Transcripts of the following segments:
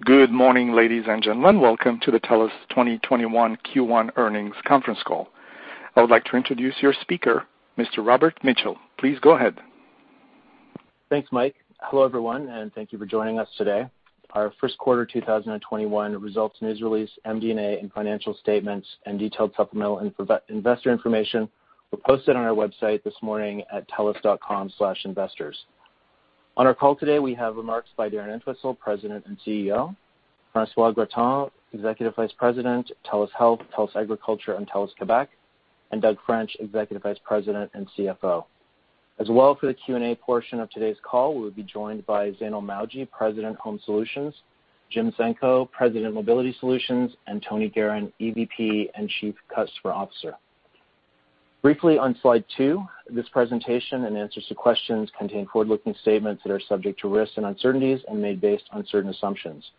Good morning, ladies and gentlemen. Welcome to the TELUS 2021 Q1 earnings conference call. I would like to introduce your speaker, Mr. Robert Mitchell. Please go ahead. Thanks, Mike. Hello, everyone, and thank you for joining us today. Our first quarter 2021 results news release, MD&A, and financial statements, and detailed supplemental investor information were posted on our website this morning at telus.com/investors. On our call today, we have remarks by Darren Entwistle, President and CEO, François Gratton, Executive Vice-president, TELUS Health, TELUS Agriculture, and TELUS Quebec, and Doug French, Executive Vice President and CFO. As well, for the Q&A portion of today's call, we will be joined by Zainul Mawji, President, Home Solutions, Jim Senko, President, Mobility Solutions, and Tony Geheran, EVP and Chief Customer Officer. Briefly on Slide two, this presentation and answers to questions contain forward-looking statements that are subject to risks and uncertainties and made based on certain assumptions.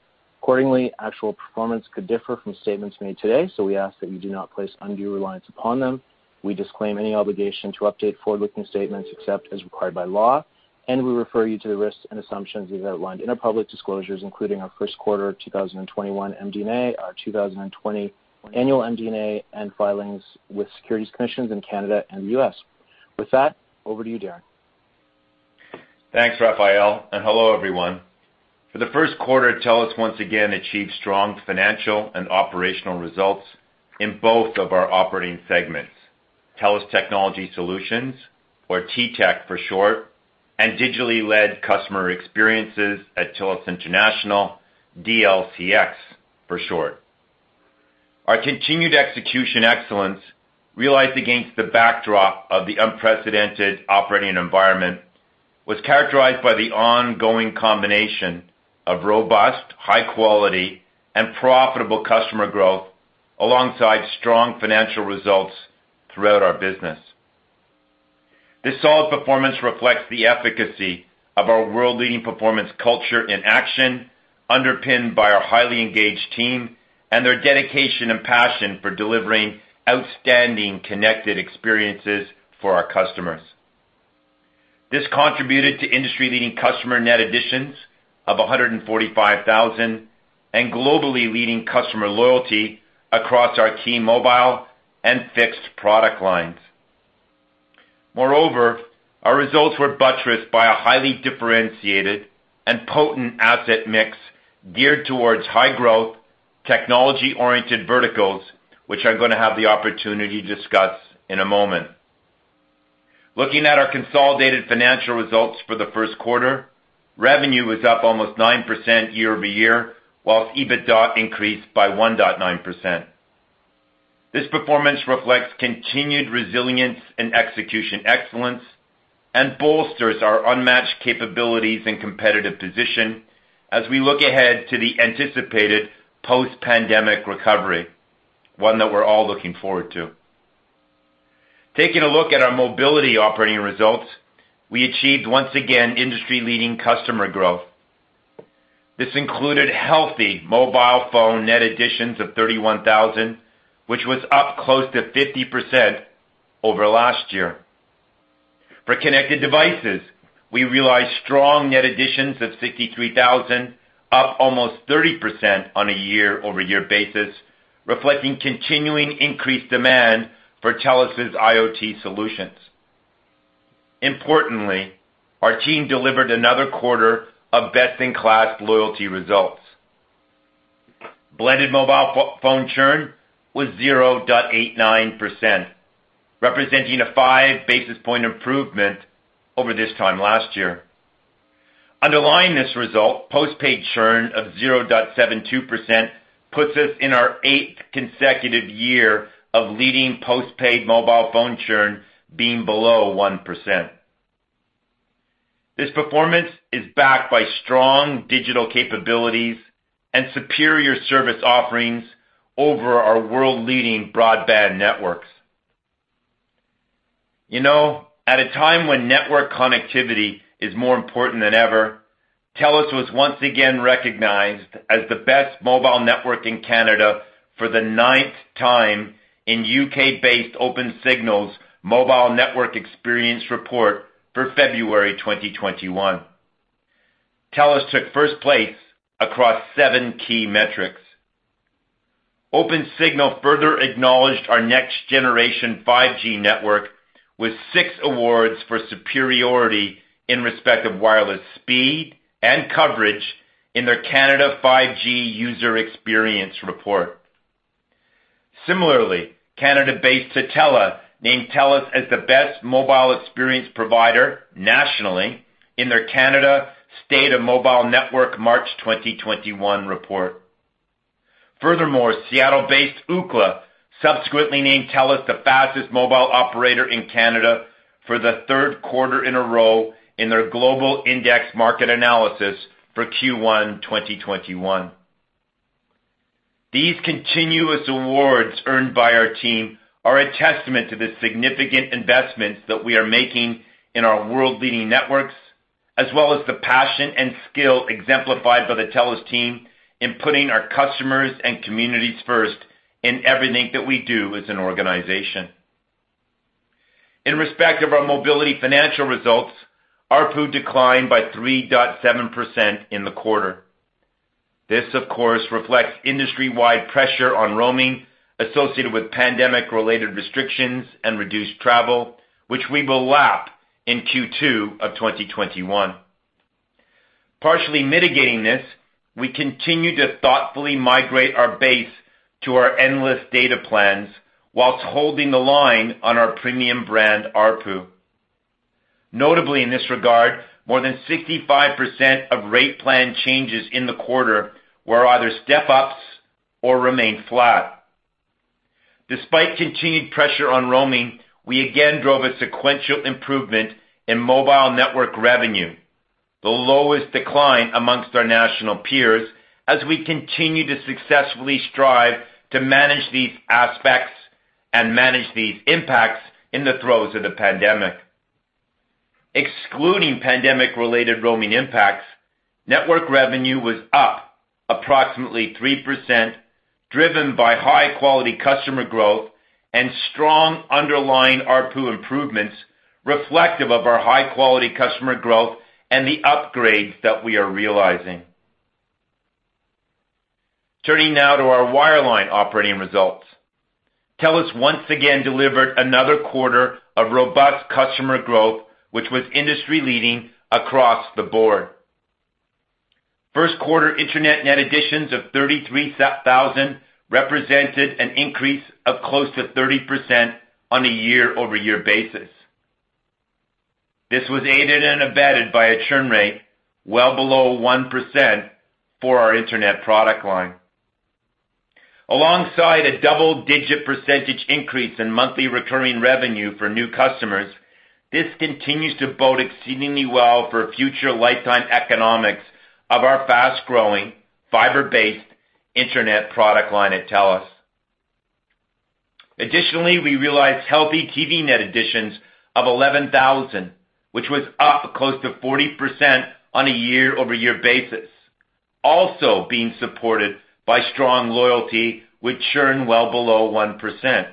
Accordingly, actual performance could differ from statements made today. We ask that you do not place undue reliance upon them. We disclaim any obligation to update forward-looking statements except as required by law. We refer you to the risks and assumptions we've outlined in our public disclosures, including our first quarter 2021 MD&A, our 2020 annual MD&A, and filings with securities commissions in Canada and U.S. With that, over to you, Darren. Thanks, Robert Mitchell, and hello, everyone. For the first quarter, TELUS once again achieved strong financial and operational results in both of our operating segments, TELUS Technology Solutions, or T-Tech for short, and Digitally-Led Customer Experiences at TELUS International, DLCX for short. Our continued execution excellence realized against the backdrop of the unprecedented operating environment was characterized by the ongoing combination of robust, high quality, and profitable customer growth alongside strong financial results throughout our business. This solid performance reflects the efficacy of our world-leading performance culture in action underpinned by our highly engaged team and their dedication and passion for delivering outstanding connected experiences for our customers. This contributed to industry-leading customer net additions of 145,000 and globally leading customer loyalty across our key mobile and fixed product lines. Moreover, our results were buttressed by a highly differentiated and potent asset mix geared towards high growth, technology-oriented verticals, which I'm going to have the opportunity to discuss in a moment. Looking at our consolidated financial results for the first quarter, revenue was up almost 9% year-over-year, whilst EBITDA increased by 1.9%. This performance reflects continued resilience in execution excellence and bolsters our unmatched capabilities and competitive position as we look ahead to the anticipated post-pandemic recovery, one that we're all looking forward to. Taking a look at our mobility operating results, we achieved once again industry-leading customer growth. This included healthy mobile phone net additions of 31,000, which was up close to 50% over last year. For connected devices, we realized strong net additions of 63,000, up almost 30% on a year-over-year basis, reflecting continuing increased demand for TELUS's IoT solutions. Importantly, our team delivered another quarter of best-in-class loyalty results. Blended mobile phone churn was 0.89%, representing a five basis point improvement over this time last year. Underlying this result, postpaid churn of 0.72% puts us in our eighth consecutive year of leading postpaid mobile phone churn being below 1%. This performance is backed by strong digital capabilities and superior service offerings over our world-leading broadband networks. At a time when network connectivity is more important than ever, TELUS was once again recognized as the best mobile network in Canada for the ninth time in U.K.-based Opensignal's Mobile Network Experience report for February 2021. TELUS took first place across seven key metrics. Opensignal further acknowledged our next generation 5G network with six awards for superiority in respect of wireless speed and coverage in their Canada 5G User Experience report. Similarly, Canada-based Tutela named TELUS as the best mobile experience provider nationally in their Canada State of Mobile Network March 2021 report. Furthermore, Seattle-based Ookla subsequently named TELUS the fastest mobile operator in Canada for the third quarter in a row in their Global Index Market Analysis for Q1 2021. These continuous awards earned by our team are a testament to the significant investments that we are making in our world-leading networks, as well as the passion and skill exemplified by the TELUS team in putting our customers and communities first in everything that we do as an organization. In respect of our mobility financial results, ARPU declined by 3.7% in the quarter. This, of course, reflects industry-wide pressure on roaming associated with pandemic-related restrictions and reduced travel, which we will lap in Q2 of 2021. Partially mitigating this, we continue to thoughtfully migrate our base to our endless data plans while holding the line on our premium brand ARPU. Notably, in this regard, more than 65% of rate plan changes in the quarter were either step-ups or remained flat. Despite continued pressure on roaming, we again drove a sequential improvement in mobile network revenue, the lowest decline among our national peers, as we continue to successfully strive to manage these aspects and manage these impacts in the throes of the pandemic. Excluding pandemic-related roaming impacts, network revenue was up approximately 3%, driven by high-quality customer growth and strong underlying ARPU improvements reflective of our high-quality customer growth and the upgrades that we are realizing. Turning now to our wireline operating results. TELUS once again delivered another quarter of robust customer growth, which was industry-leading across the board. First quarter internet net additions of 33,000 represented an increase of close to 30% on a year-over-year basis. This was aided and abetted by a churn rate well below 1% for our internet product line. Alongside a double-digit percentage increase in monthly recurring revenue for new customers, this continues to bode exceedingly well for future lifetime economics of our fast-growing, fiber-based internet product line at TELUS. Additionally, we realized healthy TV net additions of 11,000, which was up close to 40% on a year-over-year basis, also being supported by strong loyalty with churn well below 1%.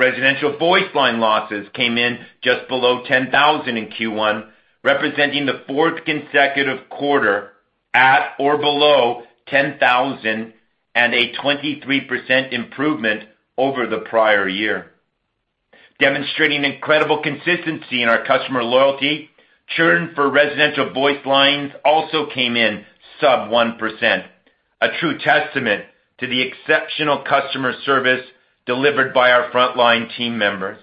Residential voice line losses came in just below 10,000 in Q1, representing the fourth consecutive quarter at or below 10,000 and a 23% improvement over the prior year. Demonstrating incredible consistency in our customer loyalty, churn for residential voice lines also came in sub 1%, a true testament to the exceptional customer service delivered by our frontline team members.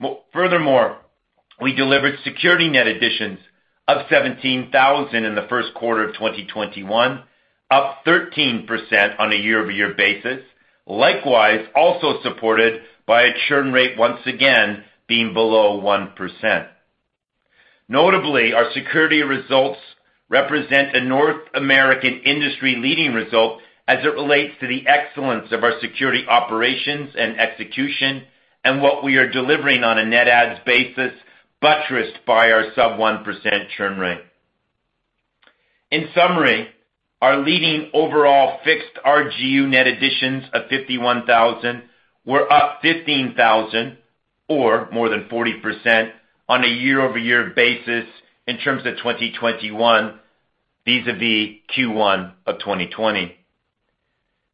We delivered security net additions of 17,000 in the first quarter of 2021, up 13% on a year-over-year basis. Also supported by a churn rate once again being below 1%. Our security results represent a North American industry-leading result as it relates to the excellence of our security operations and execution and what we are delivering on a net adds basis, buttressed by our sub 1% churn rate. Our leading overall fixed RGU net additions of 51,000 were up 15,000 or more than 40% on a year-over-year basis in terms of 2021 vis-a-vis Q1 of 2020.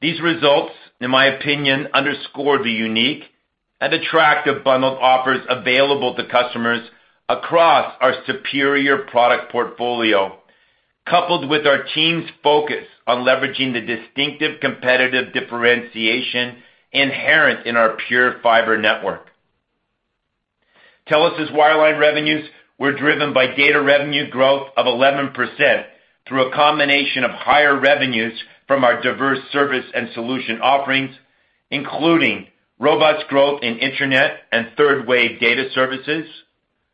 These results, in my opinion, underscore the unique and attractive bundled offers available to customers across our superior product portfolio, coupled with our team's focus on leveraging the distinctive competitive differentiation inherent in our TELUS PureFibre network. TELUS's wireline revenues were driven by data revenue growth of 11% through a combination of higher revenues from our diverse service and solution offerings, including robust growth in internet and third-wave data services,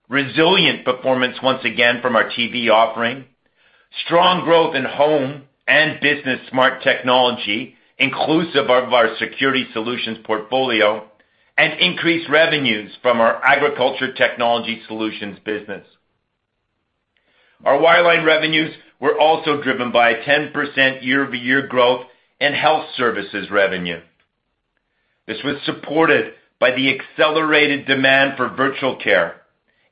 resilient performance once again from our TV offering, strong growth in home and business smart technology, inclusive of our security solutions portfolio, and increased revenues from our TELUS Agriculture technology solutions business. Our wireline revenues were also driven by a 10% year-over-year growth in TELUS Health services revenue. This was supported by the accelerated demand for TELUS Health Virtual Care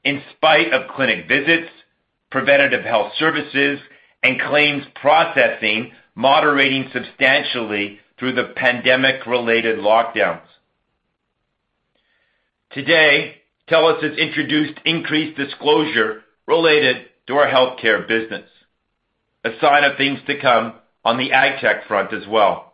in spite of clinic visits, preventative health services, and claims processing moderating substantially through the pandemic-related lockdowns. Today, TELUS has introduced increased disclosure related to our healthcare business, a sign of things to come on the AgTech front as well.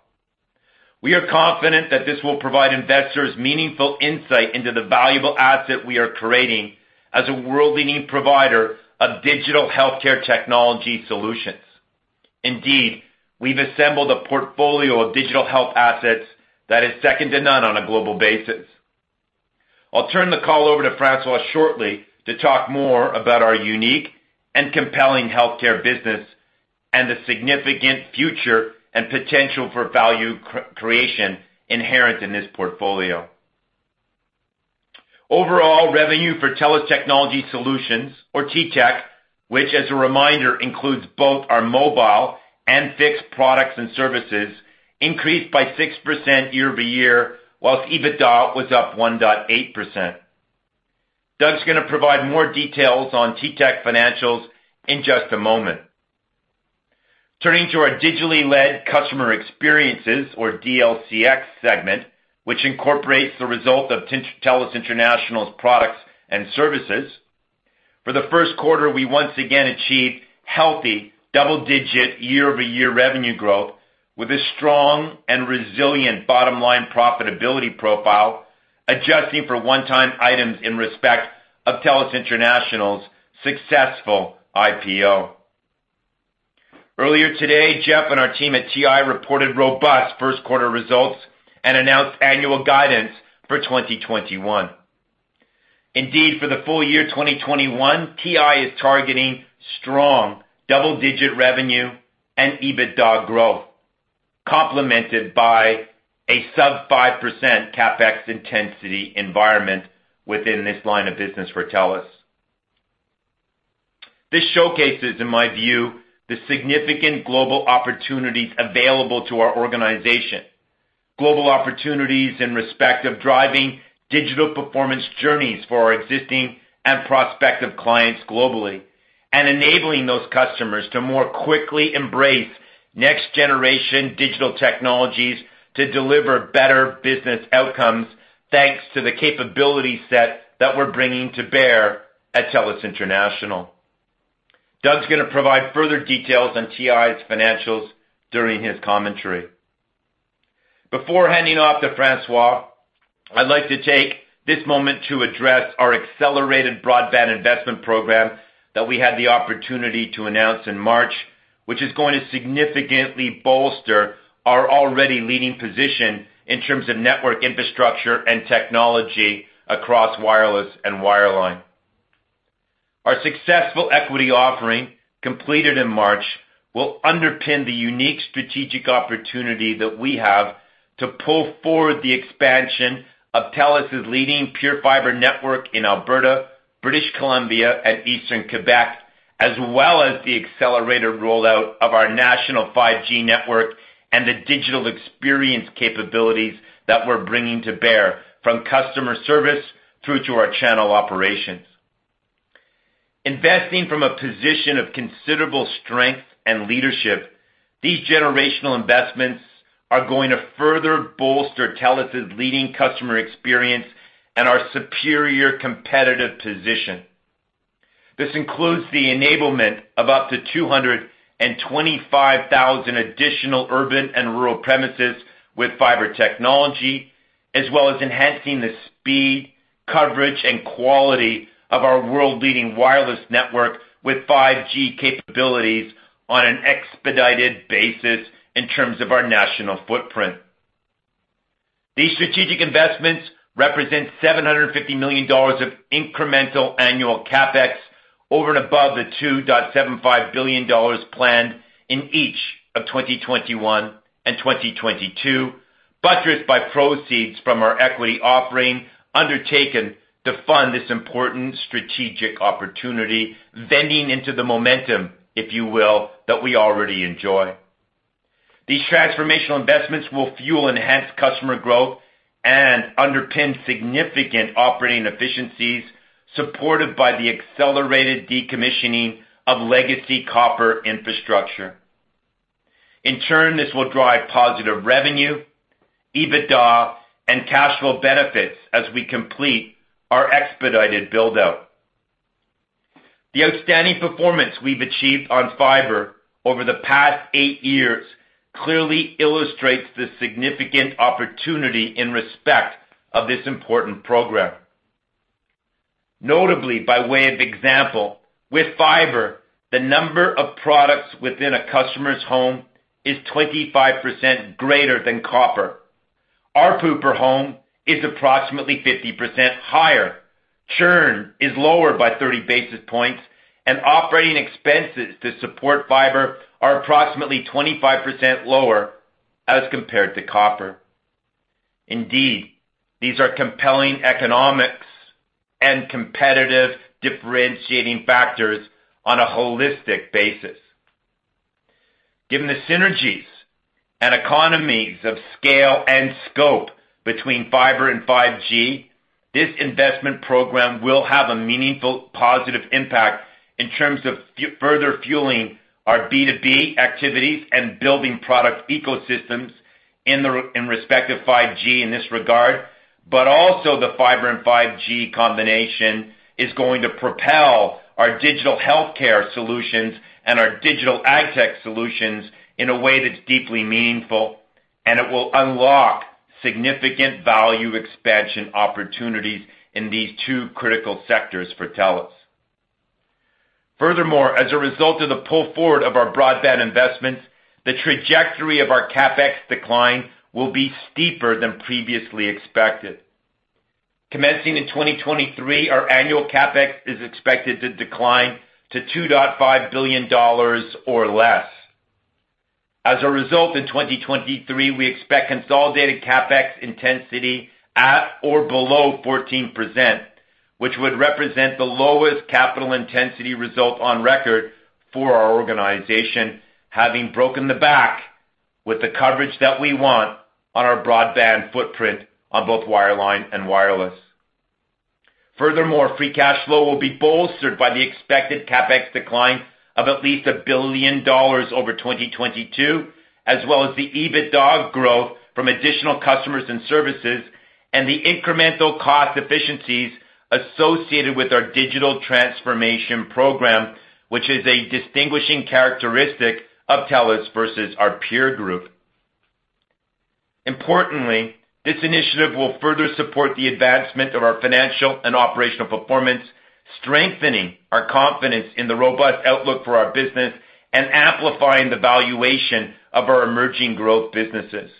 We are confident that this will provide investors meaningful insight into the valuable asset we are creating as a world-leading provider of digital healthcare technology solutions. Indeed, we've assembled a portfolio of digital health assets that is second to none on a global basis. I'll turn the call over to François shortly to talk more about our unique and compelling healthcare business and the significant future and potential for value creation inherent in this portfolio. Overall, revenue for TELUS Technology Solutions or T-Tech, which, as a reminder, includes both our mobile and fixed products and services increased by 6% year-over-year, whilst EBITDA was up 1.8%. Doug's going to provide more details on T-Tech financials in just a moment. Turning to our Digitally-Led Customer Experiences or DLCX segment, which incorporates the result of TELUS International's products and services. For the first quarter, we once again achieved healthy double-digit year-over-year revenue growth with a strong and resilient bottom-line profitability profile, adjusting for one-time items in respect of TELUS International's successful IPO. Earlier today, Jeff and our team at TI reported robust first quarter results and announced annual guidance for 2021. For the full year 2021, TI is targeting strong double-digit revenue and EBITDA growth, complemented by a sub 5% CapEx intensity environment within this line of business for TELUS. This showcases, in my view, the significant global opportunities available to our organization. Global opportunities in respect of driving digital performance journeys for our existing and prospective clients globally, and enabling those customers to more quickly embrace next-generation digital technologies to deliver better business outcomes, thanks to the capability set that we're bringing to bear at TELUS International. Doug's going to provide further details on TI's financials during his commentary. Before handing off to François, I'd like to take this moment to address our accelerated broadband investment program that we had the opportunity to announce in March, which is going to significantly bolster our already leading position in terms of network infrastructure and technology across wireless and wireline. Our successful equity offering, completed in March, will underpin the unique strategic opportunity that we have to pull forward the expansion of TELUS' leading TELUS PureFibre network in Alberta, British Columbia, and eastern TELUS Quebec, as well as the accelerated rollout of our national 5G network and the digital experience capabilities that we're bringing to bear, from customer service through to our channel operations. Investing from a position of considerable strength and leadership, these generational investments are going to further bolster TELUS' leading customer experience and our superior competitive position. This includes the enablement of up to 225,000 additional urban and rural premises with fibre technology, as well as enhancing the speed, coverage, and quality of our world-leading wireless network with 5G capabilities on an expedited basis in terms of our national footprint. These strategic investments represent 750 million dollars of incremental annual CapEx over and above the 2.75 billion dollars planned in each of 2021 and 2022, buttressed by proceeds from our equity offering undertaken to fund this important strategic opportunity, vending into the momentum, if you will, that we already enjoy. These transformational investments will fuel enhanced customer growth and underpin significant operating efficiencies supported by the accelerated decommissioning of legacy copper infrastructure. In turn, this will drive positive revenue, EBITDA, and cash flow benefits as we complete our expedited build-out. The outstanding performance we've achieved on fiber over the past eight years clearly illustrates the significant opportunity in respect of this important program. Notably, by way of example, with fiber, the number of products within a customer's home is 25% greater than copper. ARPU per home is approximately 50% higher. Churn is lower by 30 basis points, and operating expenses to support fibre are approximately 25% lower as compared to copper. Indeed, these are compelling economics and competitive differentiating factors on a holistic basis. Given the synergies and economies of scale and scope between fibre and 5G, this investment program will have a meaningful positive impact in terms of further fueling our B2B activities and building product ecosystems in respect of 5G in this regard, but also the fibre and 5G combination is going to propel our digital TELUS Health solutions and our digital AgTech solutions in a way that's deeply meaningful, and it will unlock significant value expansion opportunities in these two critical sectors for TELUS. Furthermore, as a result of the pull forward of our broadband investments, the trajectory of our CapEx decline will be steeper than previously expected. Commencing in 2023, our annual CapEx is expected to decline to 2.5 billion dollars or less. As a result, in 2023, we expect consolidated CapEx intensity at or below 14%, which would represent the lowest capital intensity result on record for our organization, having broken the back with the coverage that we want on our broadband footprint on both wireline and wireless. Furthermore, free cash flow will be bolstered by the expected CapEx decline of at least 1 billion dollars over 2022, as well as the EBITDA growth from additional customers and services and the incremental cost efficiencies associated with our digital transformation program, which is a distinguishing characteristic of TELUS versus our peer group. Importantly, this initiative will further support the advancement of our financial and operational performance, strengthening our confidence in the robust outlook for our business and amplifying the valuation of our emerging growth businesses.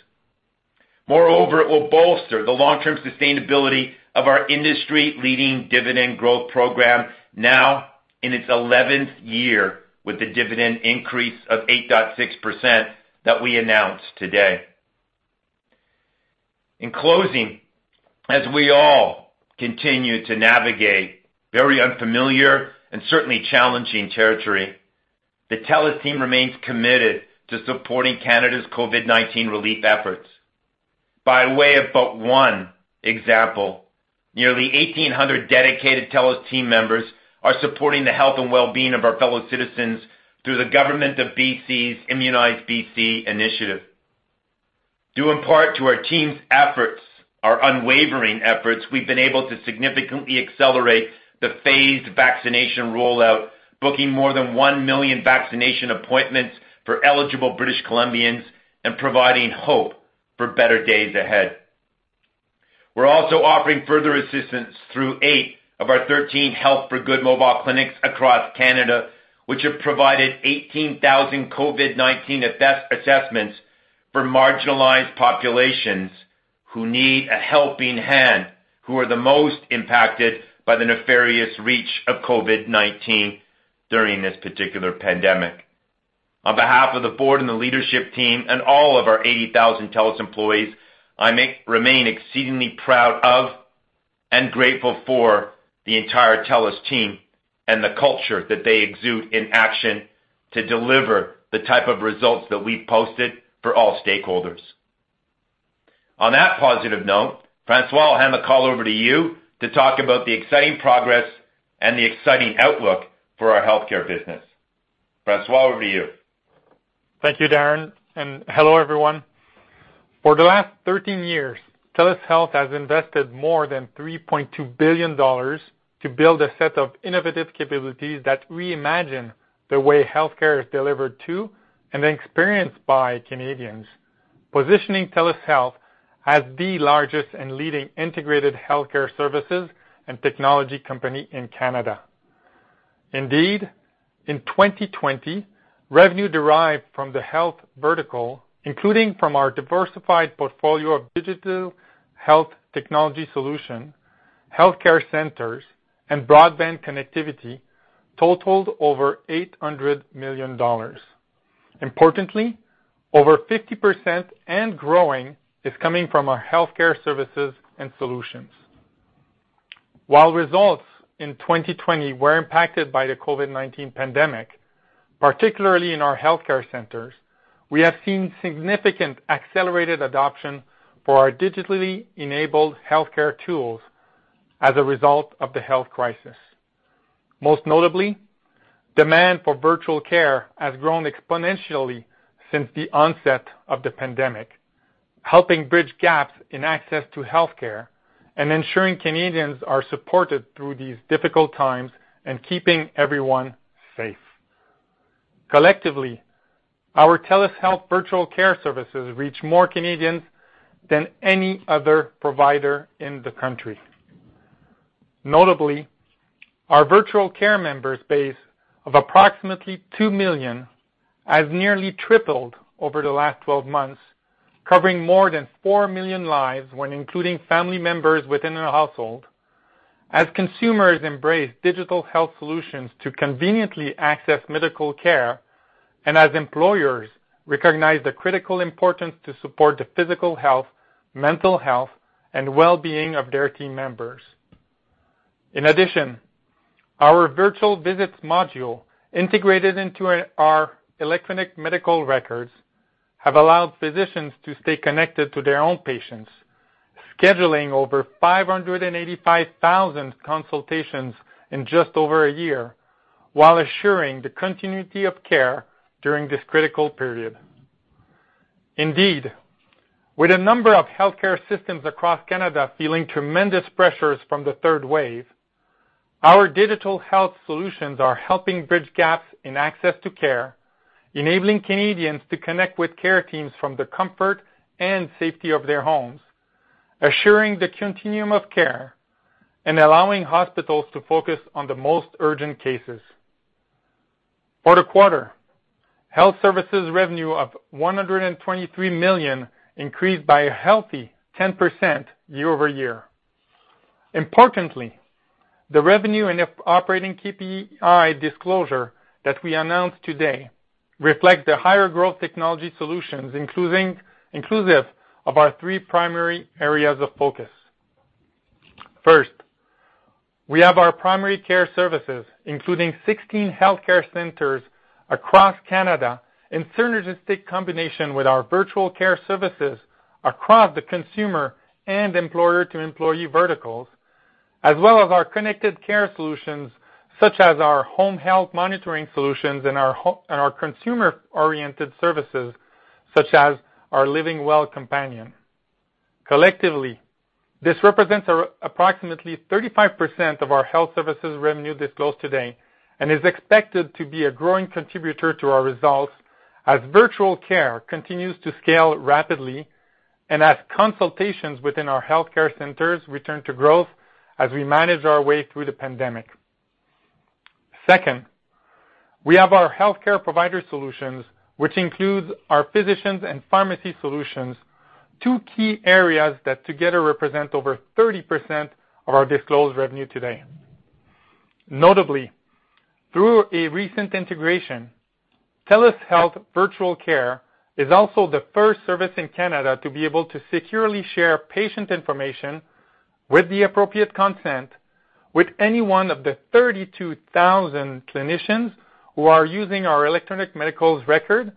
It will bolster the long-term sustainability of our industry leading dividend growth program now in its 11th year with the dividend increase of 8.6% that we announced today. In closing, as we all continue to navigate very unfamiliar and certainly challenging territory, the TELUS team remains committed to supporting Canada's COVID-19 relief efforts. By way of but one example, nearly 1,800 dedicated TELUS team members are supporting the health and wellbeing of our fellow citizens through the government of B.C.'s ImmunizeBC initiative. Due in part to our team's efforts, our unwavering efforts, we've been able to significantly accelerate the phased vaccination rollout, booking more than one million vaccination appointments for eligible British Columbians and providing hope for better days ahead. We're also offering further assistance through eight of our 13 Health for Good mobile clinics across Canada, which have provided 18,000 COVID-19 assessments for marginalized populations who need a helping hand, who are the most impacted by the nefarious reach of COVID-19 during this particular pandemic. On behalf of the board and the leadership team and all of our 80,000 TELUS employees, I remain exceedingly proud of and grateful for the entire TELUS team and the culture that they exude in action to deliver the type of results that we've posted for all stakeholders. On that positive note, François, I'll hand the call over to you to talk about the exciting progress and the exciting outlook for our healthcare business. François, over to you. Thank you, Darren, and hello, everyone. For the last 13 years, TELUS Health has invested more than 3.2 billion dollars to build a set of innovative capabilities that reimagine the way healthcare is delivered to and experienced by Canadians, positioning TELUS Health as the largest and leading integrated healthcare services and technology company in Canada. Indeed, in 2020, revenue derived from the health vertical, including from our diversified portfolio of digital health technology solution, healthcare centers, and broadband connectivity totaled over 800 million dollars. Importantly, over 50% and growing is coming from our healthcare services and solutions. While results in 2020 were impacted by the COVID-19 pandemic, particularly in our healthcare centers, we have seen significant accelerated adoption for our digitally enabled healthcare tools as a result of the health crisis. Most notably, demand for virtual care has grown exponentially since the onset of the pandemic, helping bridge gaps in access to healthcare and ensuring Canadians are supported through these difficult times and keeping everyone safe. Collectively, our TELUS Health Virtual Care services reach more Canadians than any other provider in the country. Notably, our virtual care members base of approximately 2 million has nearly tripled over the last 12 months, covering more than 4 million lives when including family members within a household, as consumers embrace digital health solutions to conveniently access medical care, and as employers recognize the critical importance to support the physical health, mental health, and wellbeing of their team members. In addition, our virtual visits module integrated into our electronic medical records have allowed physicians to stay connected to their own patients, scheduling over 585,000 consultations in just over a year while assuring the continuity of care during this critical period. With a number of healthcare systems across Canada feeling tremendous pressures from the third wave, our digital health solutions are helping bridge gaps in access to care, enabling Canadians to connect with care teams from the comfort and safety of their homes, assuring the continuum of care, and allowing hospitals to focus on the most urgent cases. For the quarter, health services revenue of 123 million increased by a healthy 10% year-over-year. Importantly, the revenue and operating KPI disclosure that we announced today reflect the higher growth technology solutions inclusive of our three primary areas of focus. First, we have our primary care services, including 16 healthcare centers across Canada in synergistic combination with our virtual care services across the consumer and employer-to-employee verticals, as well as our connected care solutions, such as our home health monitoring solutions and our consumer-oriented services, such as our LivingWell Companion. Collectively, this represents approximately 35% of our health services revenue disclosed today, and is expected to be a growing contributor to our results as virtual care continues to scale rapidly and as consultations within our healthcare centers return to growth as we manage our way through the pandemic. Second, we have our healthcare provider solutions, which includes our physicians and pharmacy solutions, two key areas that together represent over 30% of our disclosed revenue today. Notably, through a recent integration, TELUS Health Virtual Care is also the first service in Canada to be able to securely share patient information with the appropriate consent with any one of the 32,000 clinicians who are using our electronic medical record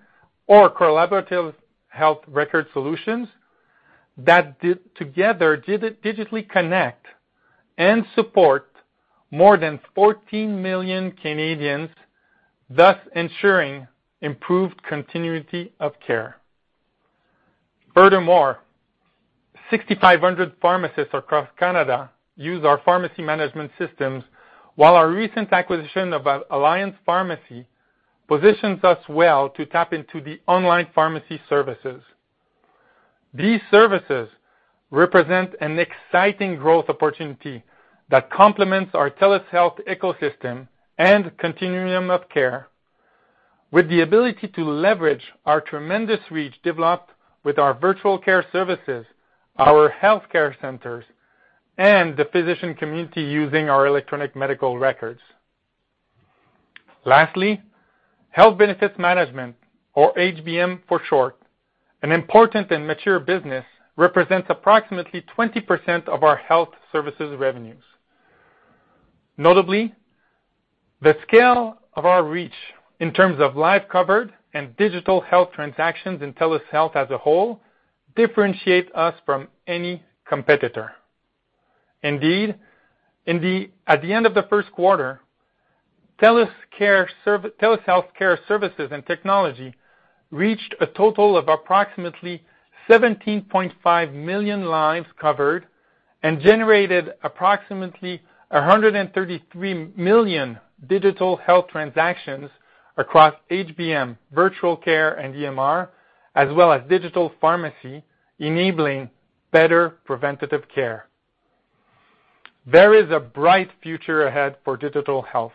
or collaborative health record solutions that together, digitally connect and support more than 14 million Canadians, thus ensuring improved continuity of care. Furthermore, 6,500 pharmacists across Canada use our pharmacy management systems, while our recent acquisition of Alliance Pharmacy positions us well to tap into the online pharmacy services. These services represent an exciting growth opportunity that complements our TELUS Health ecosystem and continuum of care with the ability to leverage our tremendous reach developed with our virtual care services, our healthcare centers, and the physician community using our electronic medical records. Lastly, health benefits management, or HBM for short, an important and mature business, represents approximately 20% of our health services revenues. Notably, the scale of our reach in terms of life covered and digital health transactions in TELUS Health as a whole differentiate us from any competitor. Indeed, at the end of the first quarter, TELUS Health care services and technology reached a total of approximately 17.5 million lives covered and generated approximately 133 million digital health transactions across HBM virtual care and EMR, as well as digital pharmacy, enabling better preventative care. There is a bright future ahead for digital health.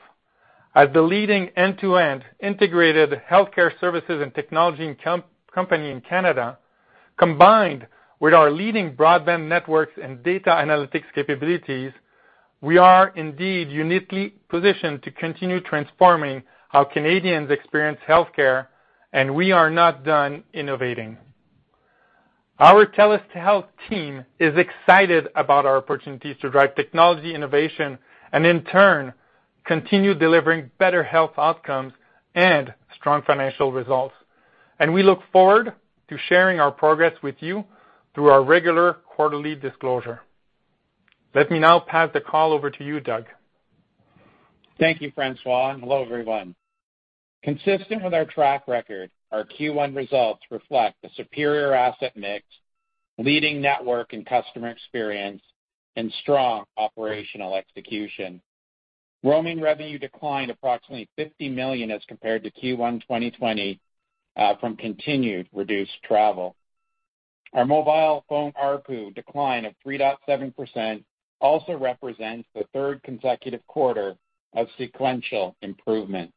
As the leading end-to-end integrated healthcare services and technology company in Canada, combined with our leading broadband networks and data analytics capabilities, we are indeed uniquely positioned to continue transforming how Canadians experience healthcare, and we are not done innovating. Our TELUS Health team is excited about our opportunities to drive technology innovation, and in turn, continue delivering better health outcomes and strong financial results. We look forward to sharing our progress with you through our regular quarterly disclosure. Let me now pass the call over to you, Doug. Thank you, François, and hello, everyone. Consistent with our track record, our Q1 results reflect a superior asset mix, leading network and customer experience, and strong operational execution. Roaming revenue declined approximately 50 million as compared to Q1 2020, from continued reduced travel. Our mobile phone ARPU decline of 3.7% also represents the third consecutive quarter of sequential improvements.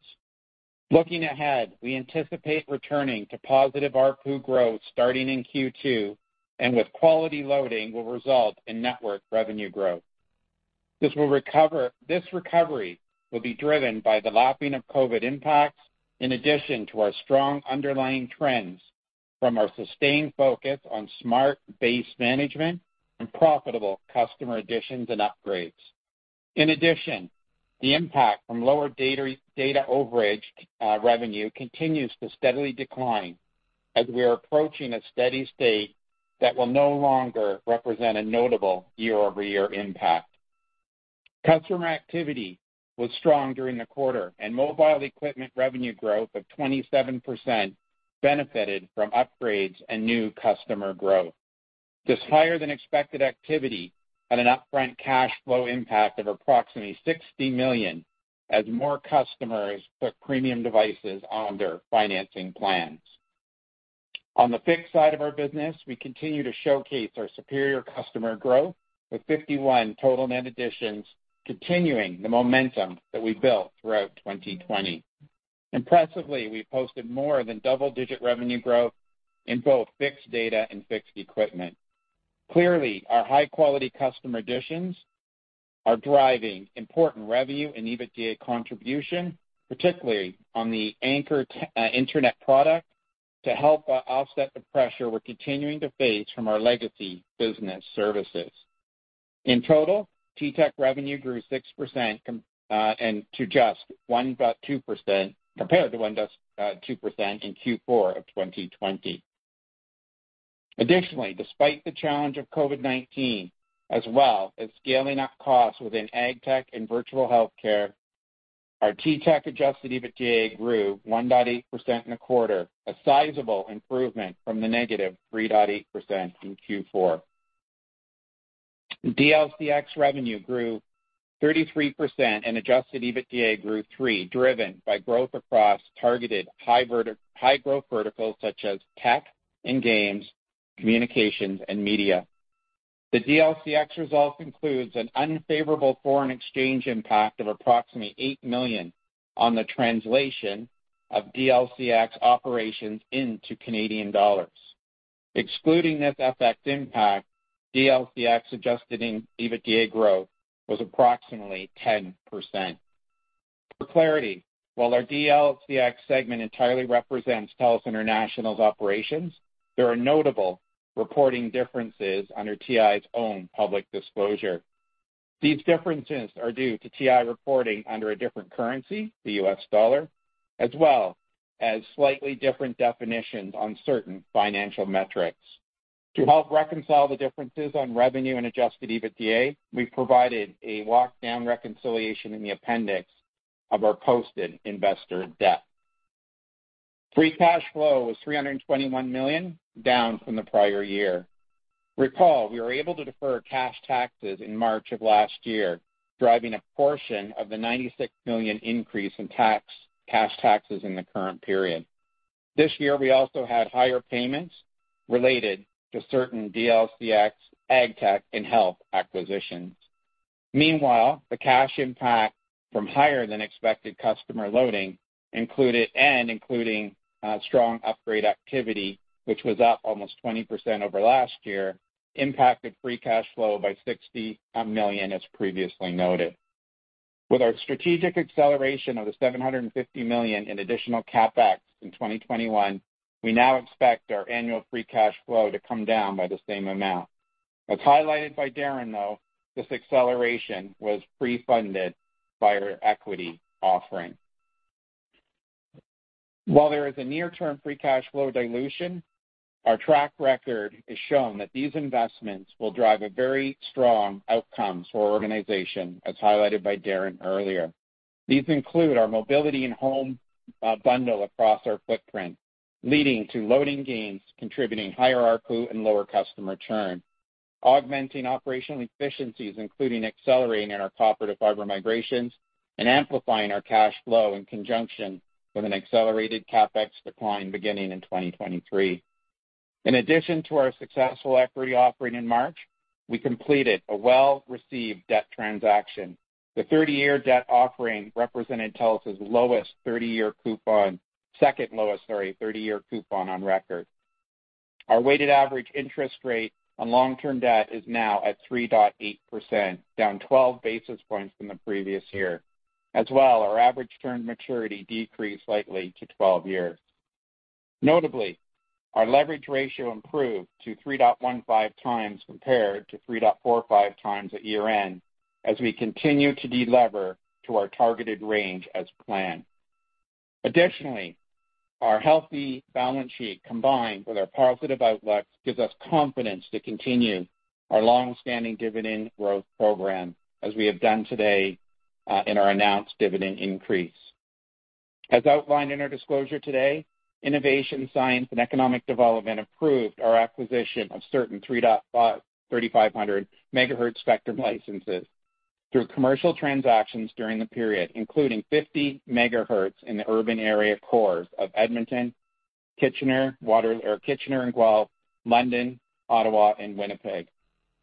Looking ahead, we anticipate returning to positive ARPU growth starting in Q2, and with quality loading, will result in network revenue growth. This recovery will be driven by the lapping of COVID impacts, in addition to our strong underlying trends from our sustained focus on smart base management and profitable customer additions and upgrades. In addition, the impact from lower data overage revenue continues to steadily decline as we are approaching a steady state that will no longer represent a notable year-over-year impact. Customer activity was strong during the quarter. Mobile equipment revenue growth of 27% benefited from upgrades and new customer growth. This higher-than-expected activity had an upfront cash flow impact of approximately 60 million, as more customers put premium devices on their financing plans. On the fixed side of our business, we continue to showcase our superior customer growth with 51,000 Total net additions, continuing the momentum that we built throughout 2020. Impressively, we posted more than double-digit revenue growth in both fixed data and fixed equipment. Clearly, our high-quality customer additions are driving important revenue and EBITDA contribution, particularly on the anchor internet product, to help offset the pressure we're continuing to face from our legacy business services. In total, T-Tech revenue grew 6% compared to 1.2% in Q4 of 2020. Additionally, despite the challenge of COVID-19, as well as scaling up costs within AgTech and virtual healthcare, our T-Tech adjusted EBITDA grew 1.8% in the quarter, a sizable improvement from the negative 3.8% in Q4. DLCX revenue grew 33% and adjusted EBITDA grew 3%, driven by growth across targeted high-growth verticals such as tech and games, communications, and media. The DLCX results includes an unfavorable foreign exchange impact of approximately 8 million on the translation of DLCX operations into Canadian dollars. Excluding this FX impact, DLCX adjusted EBITDA growth was approximately 10%. For clarity, while our DLCX segment entirely represents TELUS International's operations, there are notable reporting differences under TI's own public disclosure. These differences are due to TI reporting under a different currency, the US dollar, as well as slightly different definitions on certain financial metrics. To help reconcile the differences on revenue and adjusted EBITDA, we provided a walk-down reconciliation in the appendix of our posted investor deck. Free cash flow was 321 million, down from the prior year. Recall, we were able to defer cash taxes in March of last year, driving a portion of the 96 million increase in cash taxes in the current period. This year, we also had higher payments related to certain DLCX AgTech and Health acquisitions. The cash impact from higher than expected customer loading and including strong upgrade activity, which was up almost 20% over last year, impacted free cash flow by 60 million as previously noted. With our strategic acceleration of the 750 million in additional CapEx in 2021, we now expect our annual free cash flow to come down by the same amount. As highlighted by Darren, though, this acceleration was pre-funded by our equity offering. While there is a near-term free cash flow dilution, our track record has shown that these investments will drive a very strong outcome for our organization, as highlighted by Darren earlier. These include our mobility and home bundle across our footprint, leading to loading gains, contributing higher ARPU and lower customer churn, augmenting operational efficiencies, including accelerating in our copper-to-fiber migrations, and amplifying our cash flow in conjunction with an accelerated CapEx decline beginning in 2023. In addition to our successful equity offering in March, we completed a well-received debt transaction. The 30-year debt offering represented TELUS' lowest 30-year coupon, second lowest, sorry, 30-year coupon on record. Our weighted average interest rate on long-term debt is now at 3.8%, down 12 basis points from the previous year. As well, our average term maturity decreased slightly to 12 years. Notably, our leverage ratio improved to 3.15x compared to 3.45x at year-end, as we continue to delever to our targeted range as planned. Additionally, our healthy balance sheet, combined with our positive outlook, gives us confidence to continue our long-standing dividend growth program as we have done today in our announced dividend increase. As outlined in our disclosure today, Innovation, Science and Economic Development approved our acquisition of certain 3,500 MHz spectrum licenses through commercial transactions during the period, including 50 MHz in the urban area cores of Edmonton, Kitchener and Guelph, London, Ottawa, and Winnipeg.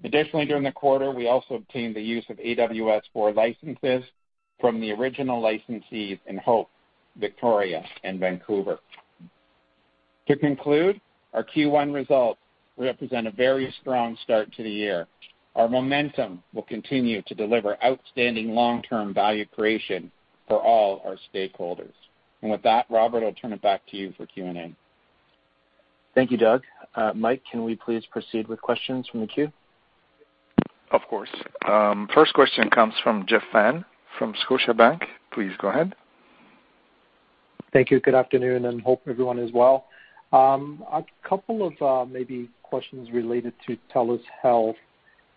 Additionally, during the quarter, we also obtained the use of AWS-4 licenses from the original licensees in Hope, Victoria, and Vancouver. To conclude, our Q1 results represent a very strong start to the year. Our momentum will continue to deliver outstanding long-term value creation for all our stakeholders. With that, Robert, I'll turn it back to you for Q&A. Thank you, Doug. Mike, can we please proceed with questions from the queue? Of course. First question comes from Jeff Fan from Scotiabank. Please go ahead. Thank you. Good afternoon, hope everyone is well. A couple of maybe questions related to TELUS Health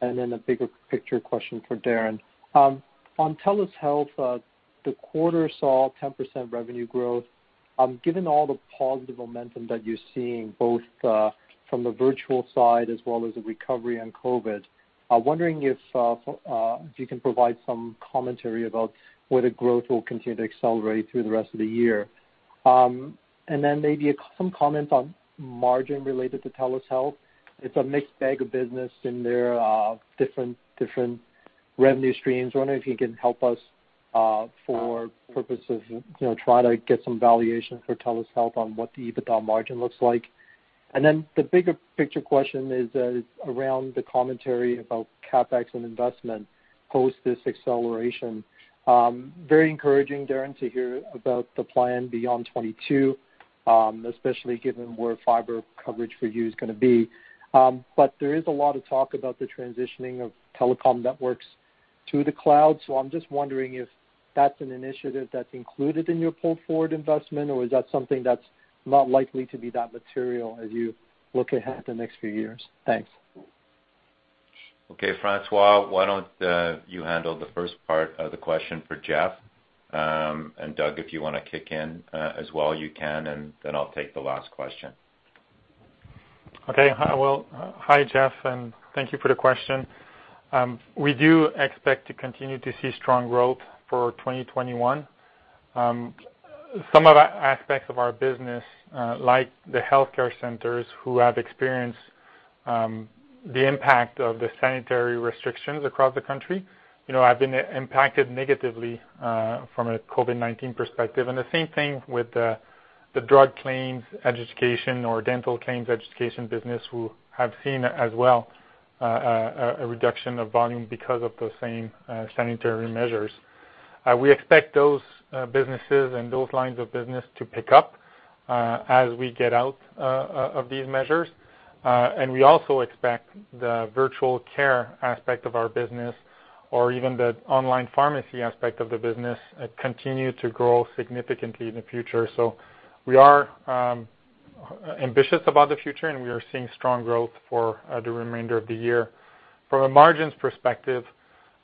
and then a bigger picture question for Darren. On TELUS Health, the quarter saw 10% revenue growth. Given all the positive momentum that you're seeing, both from the virtual side as well as the recovery on COVID, I'm wondering if you can provide some commentary about whether growth will continue to accelerate through the rest of the year. Then maybe some comments on margin related to TELUS Health. It's a mixed bag of business and there are different revenue streams. I wonder if you can help us for purpose of trying to get some valuation for TELUS Health on what the EBITDA margin looks like. Then the bigger picture question is around the commentary about CapEx and investment post this acceleration. Very encouraging, Darren, to hear about the plan beyond 2022, especially given where fiber coverage for you is going to be. There is a lot of talk about the transitioning of telecom networks to the cloud. I'm just wondering if that's an initiative that's included in your pull-forward investment, or is that something that's not likely to be that material as you look ahead the next few years? Thanks. Okay, François, why don't you handle the first part of the question for Jeff? Doug French, if you want to kick in as well, you can, then I'll take the last question. Okay. Well, hi, Jeff, thank you for the question. We do expect to continue to see strong growth for 2021. Some of our aspects of our business, like the healthcare centers who have experienced the impact of the sanitary restrictions across the country, have been impacted negatively from a COVID-19 perspective. The same thing with the drug claims adjudication or dental claims adjudication business, who have seen as well a reduction of volume because of those same sanitary measures. We expect those businesses and those lines of business to pick up as we get out of these measures. We also expect the virtual care aspect of our business or even the online pharmacy aspect of the business continue to grow significantly in the future. We are ambitious about the future, and we are seeing strong growth for the remainder of the year. From a margins perspective,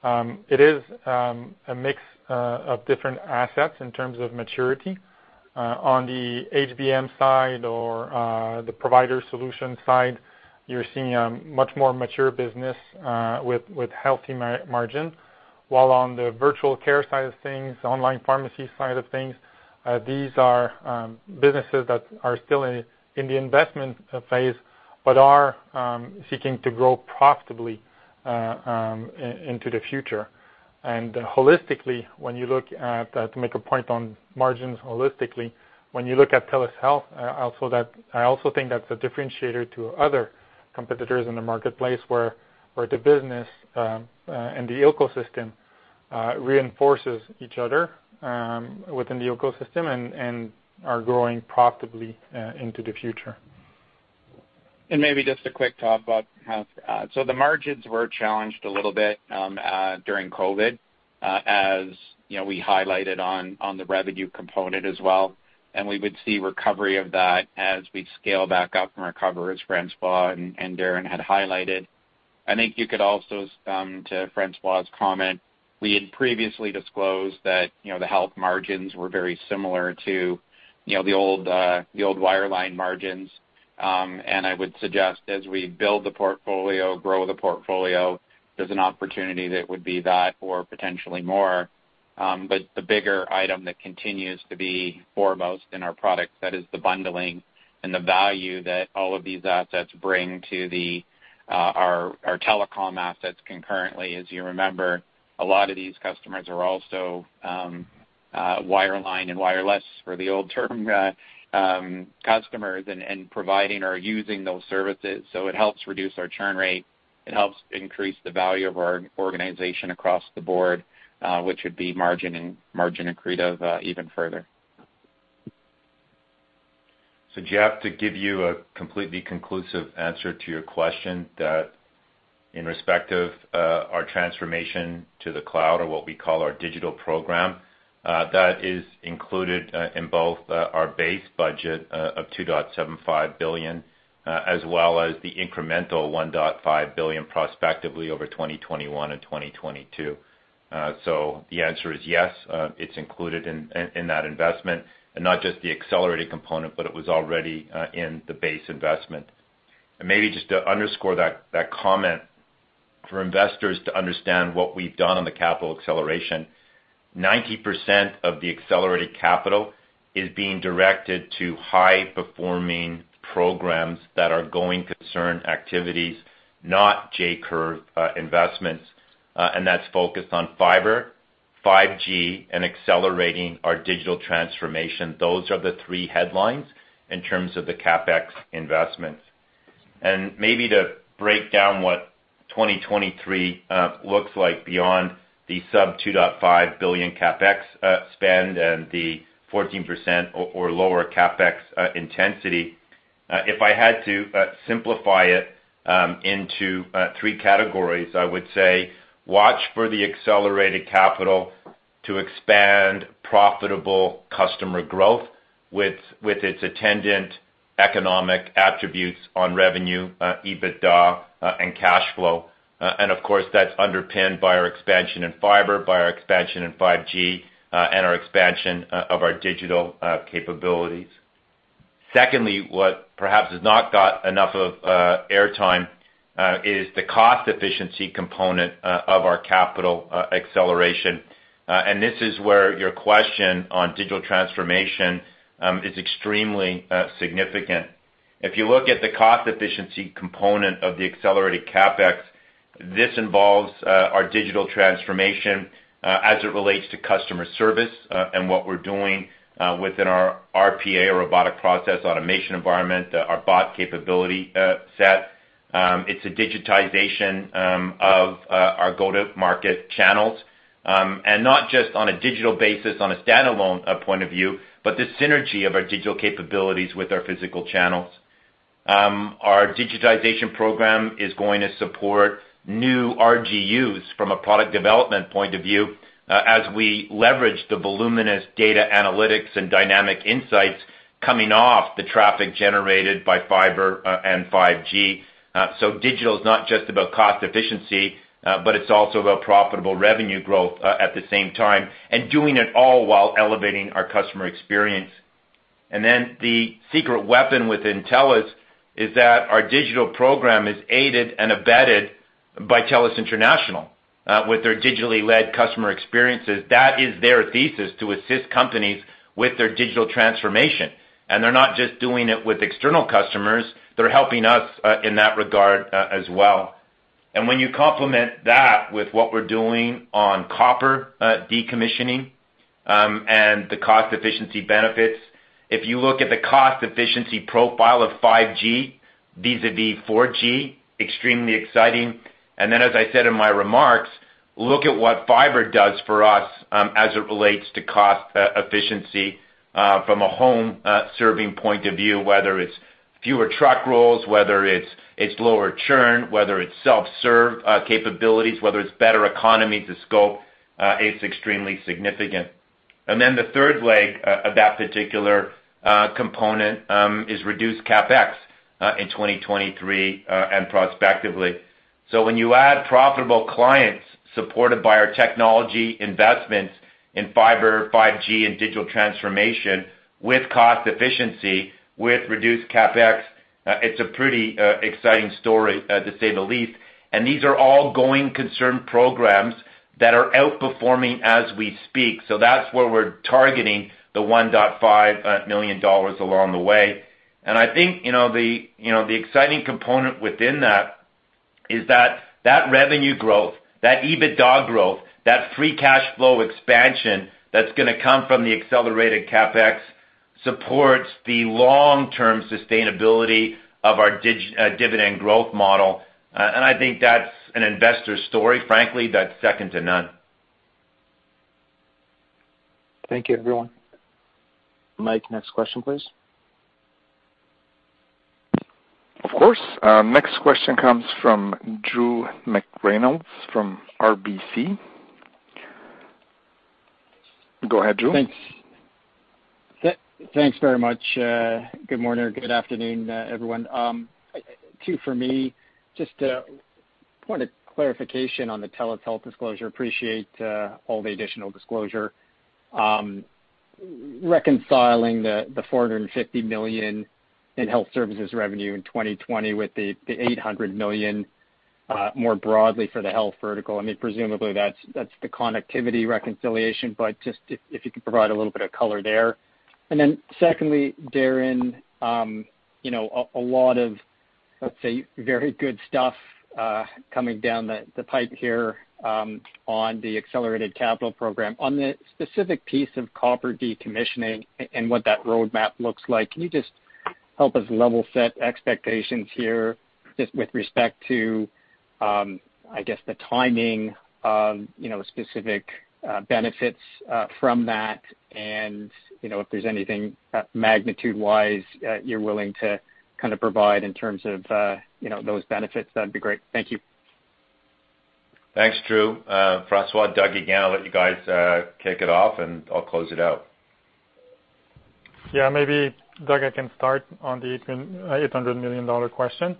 it is a mix of different assets in terms of maturity. On the HBM side or the provider solution side, you're seeing a much more mature business with healthy margin. While on the virtual care side of things, online pharmacy side of things, these are businesses that are still in the investment phase but are seeking to grow profitably into the future. Holistically, when you look at that, to make a point on margins holistically, when you look at TELUS Health, I also think that's a differentiator to other competitors in the marketplace where the business and the ecosystem reinforces each other within the ecosystem and are growing profitably into the future. Maybe just a quick thought about Health. The margins were challenged a little bit during COVID, as we highlighted on the revenue component as well. We would see recovery of that as we scale back up from recovery, as François and Darren had highlighted. I think you could also, to François's comment, we had previously disclosed that the Health margins were very similar to the old wireline margins. I would suggest as we build the portfolio, grow the portfolio, there's an opportunity that would be that or potentially more. The bigger item that continues to be foremost in our products, that is the bundling and the value that all of these assets bring to our telecom assets concurrently. As you remember, a lot of these customers are also wireline and wireless, for the old term, customers and providing or using those services. It helps reduce our churn rate. It helps increase the value of our organization across the board, which would be margin accretive even further. Jeff, to give you a completely conclusive answer to your question that in respect of our transformation to the cloud or what we call our digital program, that is included in both our base budget of 2.75 billion as well as the incremental 1.5 billion prospectively over 2021 and 2022. The answer is yes, it's included in that investment, and not just the accelerated component, but it was already in the base investment. Maybe just to underscore that comment for investors to understand what we've done on the capital acceleration, 90% of the accelerated capital is being directed to high-performing programs that are going to concern activities, not J-curve investments. That's focused on fiber, 5G, and accelerating our digital transformation. Those are the three headlines in terms of the CapEx investments. Maybe to break down what 2023 looks like beyond the sub 2.5 billion CapEx spend and the 14% or lower CapEx intensity, if I had to simplify it into three categories, I would say watch for the accelerated capital to expand profitable customer growth with its attendant economic attributes on revenue, EBITDA and cash flow. Of course, that's underpinned by our expansion in fiber, by our expansion in 5G, and our expansion of our digital capabilities. Secondly, what perhaps has not got enough of airtime is the cost efficiency component of our capital acceleration. This is where your question on digital transformation is extremely significant. If you look at the cost efficiency component of the accelerated CapEx, this involves our digital transformation as it relates to customer service and what we're doing within our RPA or robotic process automation environment, our bot capability set. It's a digitization of our go-to-market channels. Not just on a digital basis, on a standalone point of view, but the synergy of our digital capabilities with our physical channels. Our digitization program is going to support new RGUs from a product development point of view as we leverage the voluminous data analytics and dynamic insights coming off the traffic generated by fiber and 5G. Digital is not just about cost efficiency, but it's also about profitable revenue growth at the same time, and doing it all while elevating our customer experience. The secret weapon within TELUS is that our digital program is aided and abetted by TELUS International, with their digitally led customer experiences. That is their thesis, to assist companies with their digital transformation. They're not just doing it with external customers, they're helping us, in that regard as well. When you complement that with what we're doing on copper decommissioning, and the cost efficiency benefits, if you look at the cost efficiency profile of 5G vis-a-vis 4G, extremely exciting. As I said in my remarks, look at what fiber does for us as it relates to cost efficiency from a home serving point of view, whether it's fewer truck rolls, whether it's lower churn, whether it's self-serve capabilities, whether it's better economy to scope, it's extremely significant. The third leg of that particular component is reduced CapEx in 2023 and prospectively. When you add profitable clients supported by our technology investments in fiber, 5G, and digital transformation with cost efficiency, with reduced CapEx, it's a pretty exciting story, to say the least. These are all going concern programs that are outperforming as we speak. That's where we're targeting the 1.5 million dollars along the way. I think the exciting component within that is that revenue growth, that EBITDA growth, that free cash flow expansion that's going to come from the accelerated CapEx supports the long-term sustainability of our dividend growth model. I think that's an investor story, frankly, that's second to none. Thank you, everyone. Mike, next question, please. Of course. Next question comes from Drew McReynolds from RBC. Go ahead, Drew. Thanks. Thanks very much. Good morning or good afternoon, everyone. Two for me. Just a point of clarification on the TELUS Health disclosure. Appreciate all the additional disclosure. Reconciling the 450 million in health services revenue in 2020 with the 800 million more broadly for the health vertical. Presumably, that's the connectivity reconciliation. Just if you could provide a little bit of color there. Secondly, Darren, a lot of, let's say, very good stuff coming down the pipe here on the accelerated capital program. On the specific piece of copper decommissioning and what that roadmap looks like, can you just help us level set expectations here just with respect to, I guess, the timing of specific benefits from that and if there's anything magnitude-wise you're willing to provide in terms of those benefits, that'd be great. Thank you. Thanks, Drew. François, Doug, again, I'll let you guys kick it off and I'll close it out. Yeah. Maybe, Doug, I can start on the 800 million dollar question.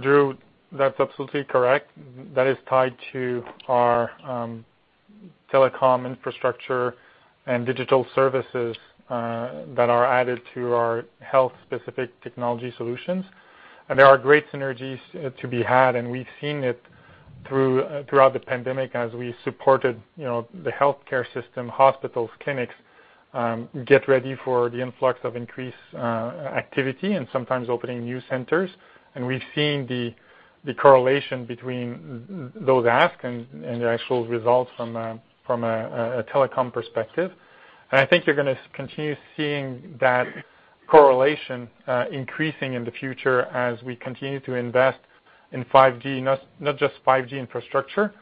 Drew, that's absolutely correct. That is tied to our telecom infrastructure and digital services that are added to our health-specific technology solutions. There are great synergies to be had, and we've seen it throughout the pandemic as we supported the healthcare system, hospitals, clinics get ready for the influx of increased activity and sometimes opening new centers. We've seen the correlation between those asks and the actual results from a telecom perspective. I think you're going to continue seeing that correlation increasing in the future as we continue to invest in 5G. Not just 5G infrastructure,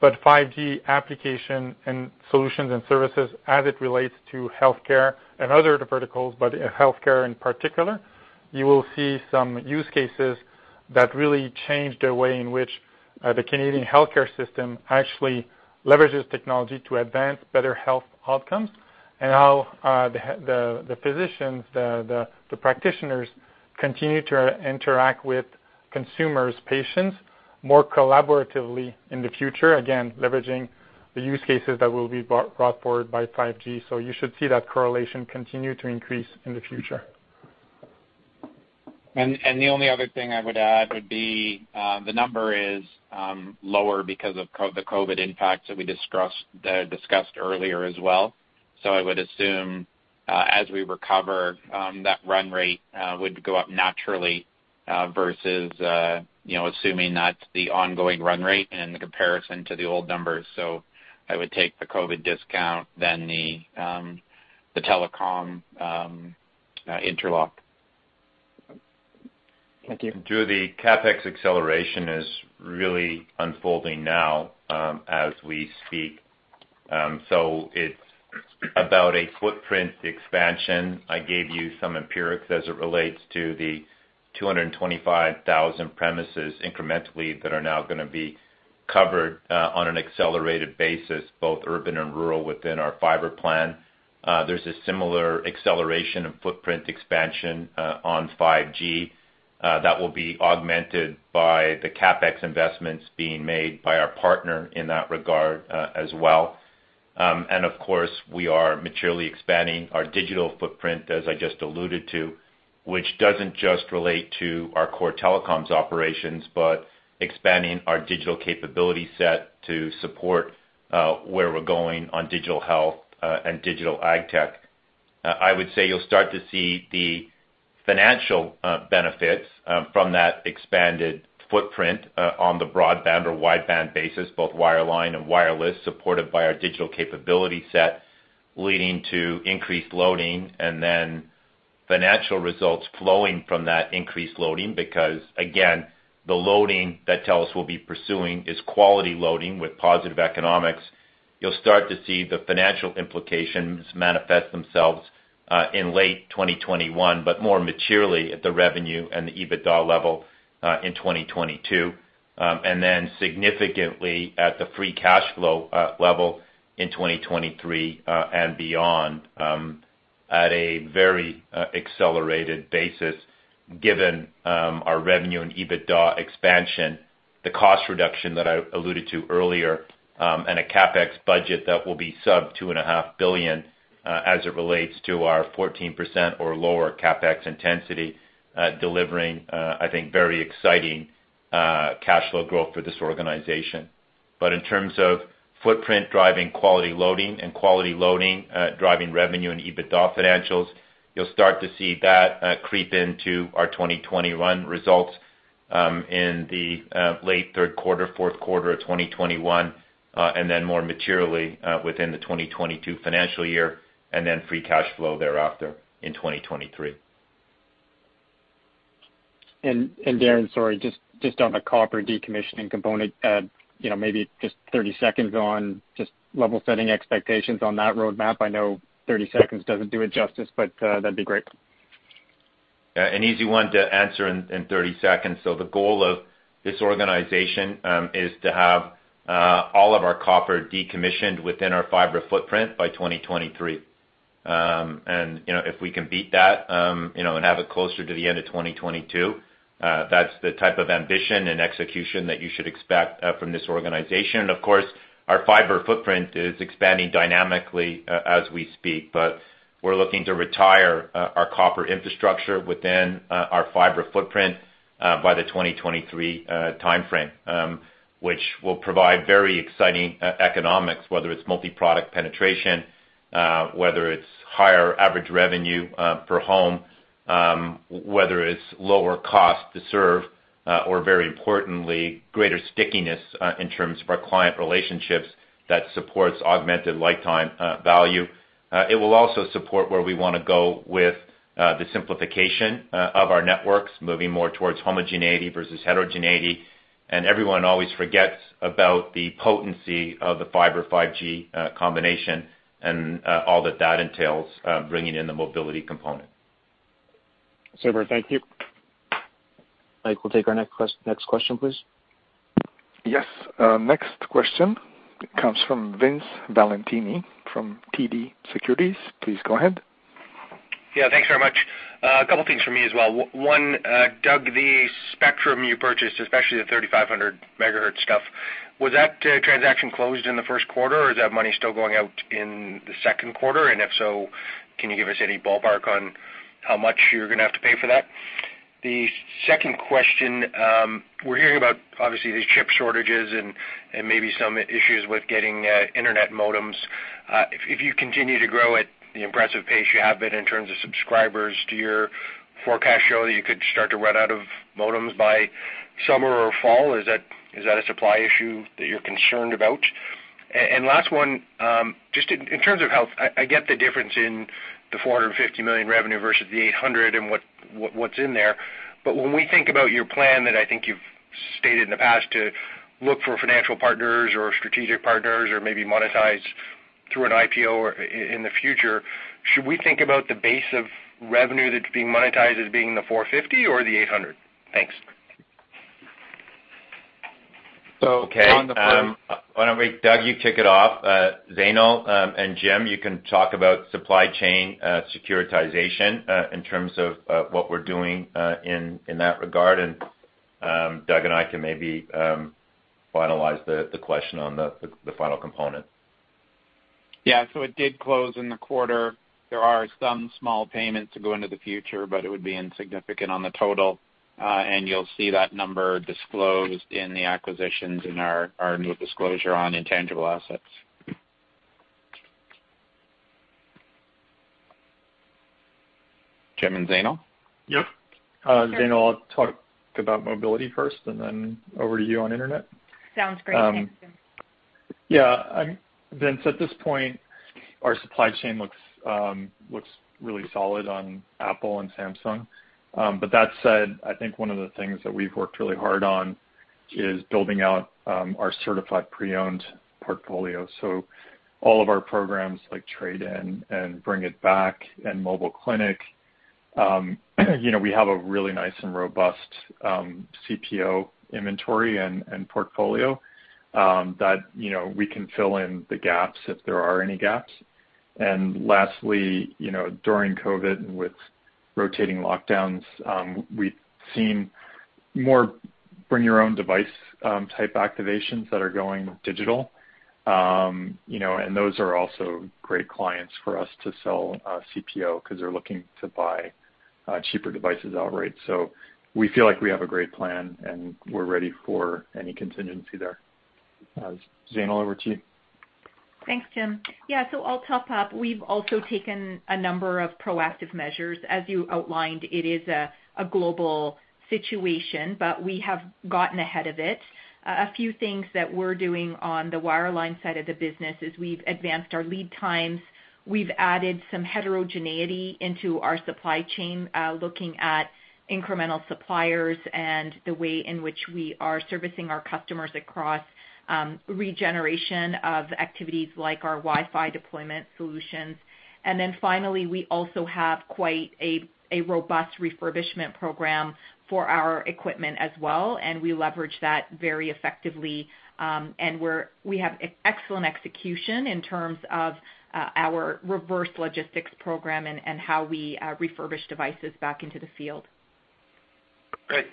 but 5G application and solutions and services as it relates to healthcare and other verticals, but healthcare in particular. You will see some use cases that really change the way in which the Canadian healthcare system actually leverages technology to advance better health outcomes, and how the physicians, the practitioners continue to interact with consumers, patients, more collaboratively in the future. Again, leveraging the use cases that will be brought forward by 5G. You should see that correlation continue to increase in the future. The only other thing I would add would be, the number is lower because of the COVID impacts that we discussed earlier as well. I would assume, as we recover, that run rate would go up naturally, versus assuming that's the ongoing run rate and the comparison to the old numbers. I would take the COVID discount, then the telecom interlock. Thank you. Drew, the CapEx acceleration is really unfolding now as we speak. It's about a footprint expansion. I gave you some empirics as it relates to the 225,000 premises incrementally that are now going to be covered on an accelerated basis, both urban and rural within our fiber plan. There's a similar acceleration of footprint expansion on 5G that will be augmented by the CapEx investments being made by our partner in that regard as well. Of course, we are maturely expanding our digital footprint, as I just alluded to, which doesn't just relate to our core telecoms operations, but expanding our digital capability set to support where we're going on digital health, and digital AgTech. I would say you'll start to see the financial benefits from that expanded footprint on the broadband or wideband basis, both wireline and wireless, supported by our digital capability set, leading to increased loading, and then financial results flowing from that increased loading, because again, the loading that TELUS will be pursuing is quality loading with positive economics. You'll start to see the financial implications manifest themselves in late 2021, but more maturely at the revenue and the EBITDA level, in 2022. Significantly at the free cash flow level in 2023, and beyond, at a very accelerated basis given our revenue and EBITDA expansion, the cost reduction that I alluded to earlier, and a CapEx budget that will be sub 2.5 billion as it relates to our 14% or lower CapEx intensity, delivering, I think, very exciting cash flow growth for this organization. In terms of footprint driving quality loading and quality loading driving revenue and EBITDA financials, you'll start to see that creep into our 2021 results, in the late third quarter, fourth quarter of 2021, and then more materially, within the 2022 financial year, and then free cash flow thereafter in 2023. Darren, sorry, just on the copper decommissioning component, maybe just 30 seconds on just level setting expectations on that roadmap. I know 30 seconds doesn't do it justice, but that'd be great. Yeah, an easy one to answer in 30 seconds. The goal of this organization is to have all of our copper decommissioned within our fiber footprint by 2023. If we can beat that and have it closer to the end of 2022, that's the type of ambition and execution that you should expect from this organization. Of course, our fiber footprint is expanding dynamically as we speak, but we're looking to retire our copper infrastructure within our fiber footprint by the 2023 timeframe, which will provide very exciting economics, whether it's multi-product penetration, whether it's higher average revenue per home, whether it's lower cost to serve, or very importantly, greater stickiness in terms of our client relationships that supports augmented lifetime value. It will also support where we want to go with the simplification of our networks, moving more towards homogeneity versus heterogeneity. Everyone always forgets about the potency of the fiber 5G combination and all that that entails, bringing in the mobility component. Super. Thank you. Mike, we'll take our next question, please. Yes. Next question comes from Vince Valentini from TD Securities. Please go ahead. Yeah, thanks very much. A couple things for me as well. One, Doug, the spectrum you purchased, especially the 3500 MHz stuff, was that transaction closed in the first quarter or is that money still going out in the second quarter? If so, can you give us any ballpark on how much you're going to have to pay for that? The second question, we're hearing about, obviously, these chip shortages and maybe some issues with getting internet modems. If you continue to grow at the impressive pace you have been in terms of subscribers, do your forecasts show that you could start to run out of modems by summer or fall? Is that a supply issue that you're concerned about? Last one, just in terms of health, I get the difference in the 450 million revenue versus the 800 and what's in there. When we think about your plan that I think you've stated in the past to look for financial partners or strategic partners or maybe monetize through an IPO in the future, should we think about the base of revenue that's being monetized as being the 450 or the 800? Thanks. Okay. Doug, you kick it off. Zainul, and Jim, you can talk about supply chain securitization, in terms of what we're doing in that regard. Doug and I can maybe finalize the question on the final component. It did close in the quarter. There are some small payments that go into the future, but it would be insignificant on the total. You'll see that number disclosed in the acquisitions in our new disclosure on intangible assets. Jim and Zainul? Yep. Zainul, I'll talk about mobility first, and then over to you on internet. Sounds great. Thanks, Jim. Yeah. Vince, at this point, our supply chain looks really solid on Apple and Samsung. That said, I think one of the things that we've worked really hard on is building out our certified pre-owned portfolio. All of our programs like we have a really nice and robust CPO inventory and portfolio that we can fill in the gaps if there are any gaps. Lastly, during COVID and with rotating lockdowns, we've seen more bring-your-own-device type activations that are going digital. Those are also great clients for us to sell CPO because they're looking to buy cheaper devices outright. We feel like we have a great plan and we're ready for any contingency there. Zainul, over to you. Thanks, Jim. Yeah. I'll top up. We've also taken a number of proactive measures. As you outlined, it is a global situation, but we have gotten ahead of it. A few things that we're doing on the wireline side of the business is we've advanced our lead times. We've added some heterogeneity into our supply chain, looking at incremental suppliers and the way in which we are servicing our customers across regeneration of activities like our Wi-Fi deployment solutions. Finally, we also have quite a robust refurbishment program for our equipment as well, and we leverage that very effectively. We have excellent execution in terms of our reverse logistics program and how we refurbish devices back into the field. Great.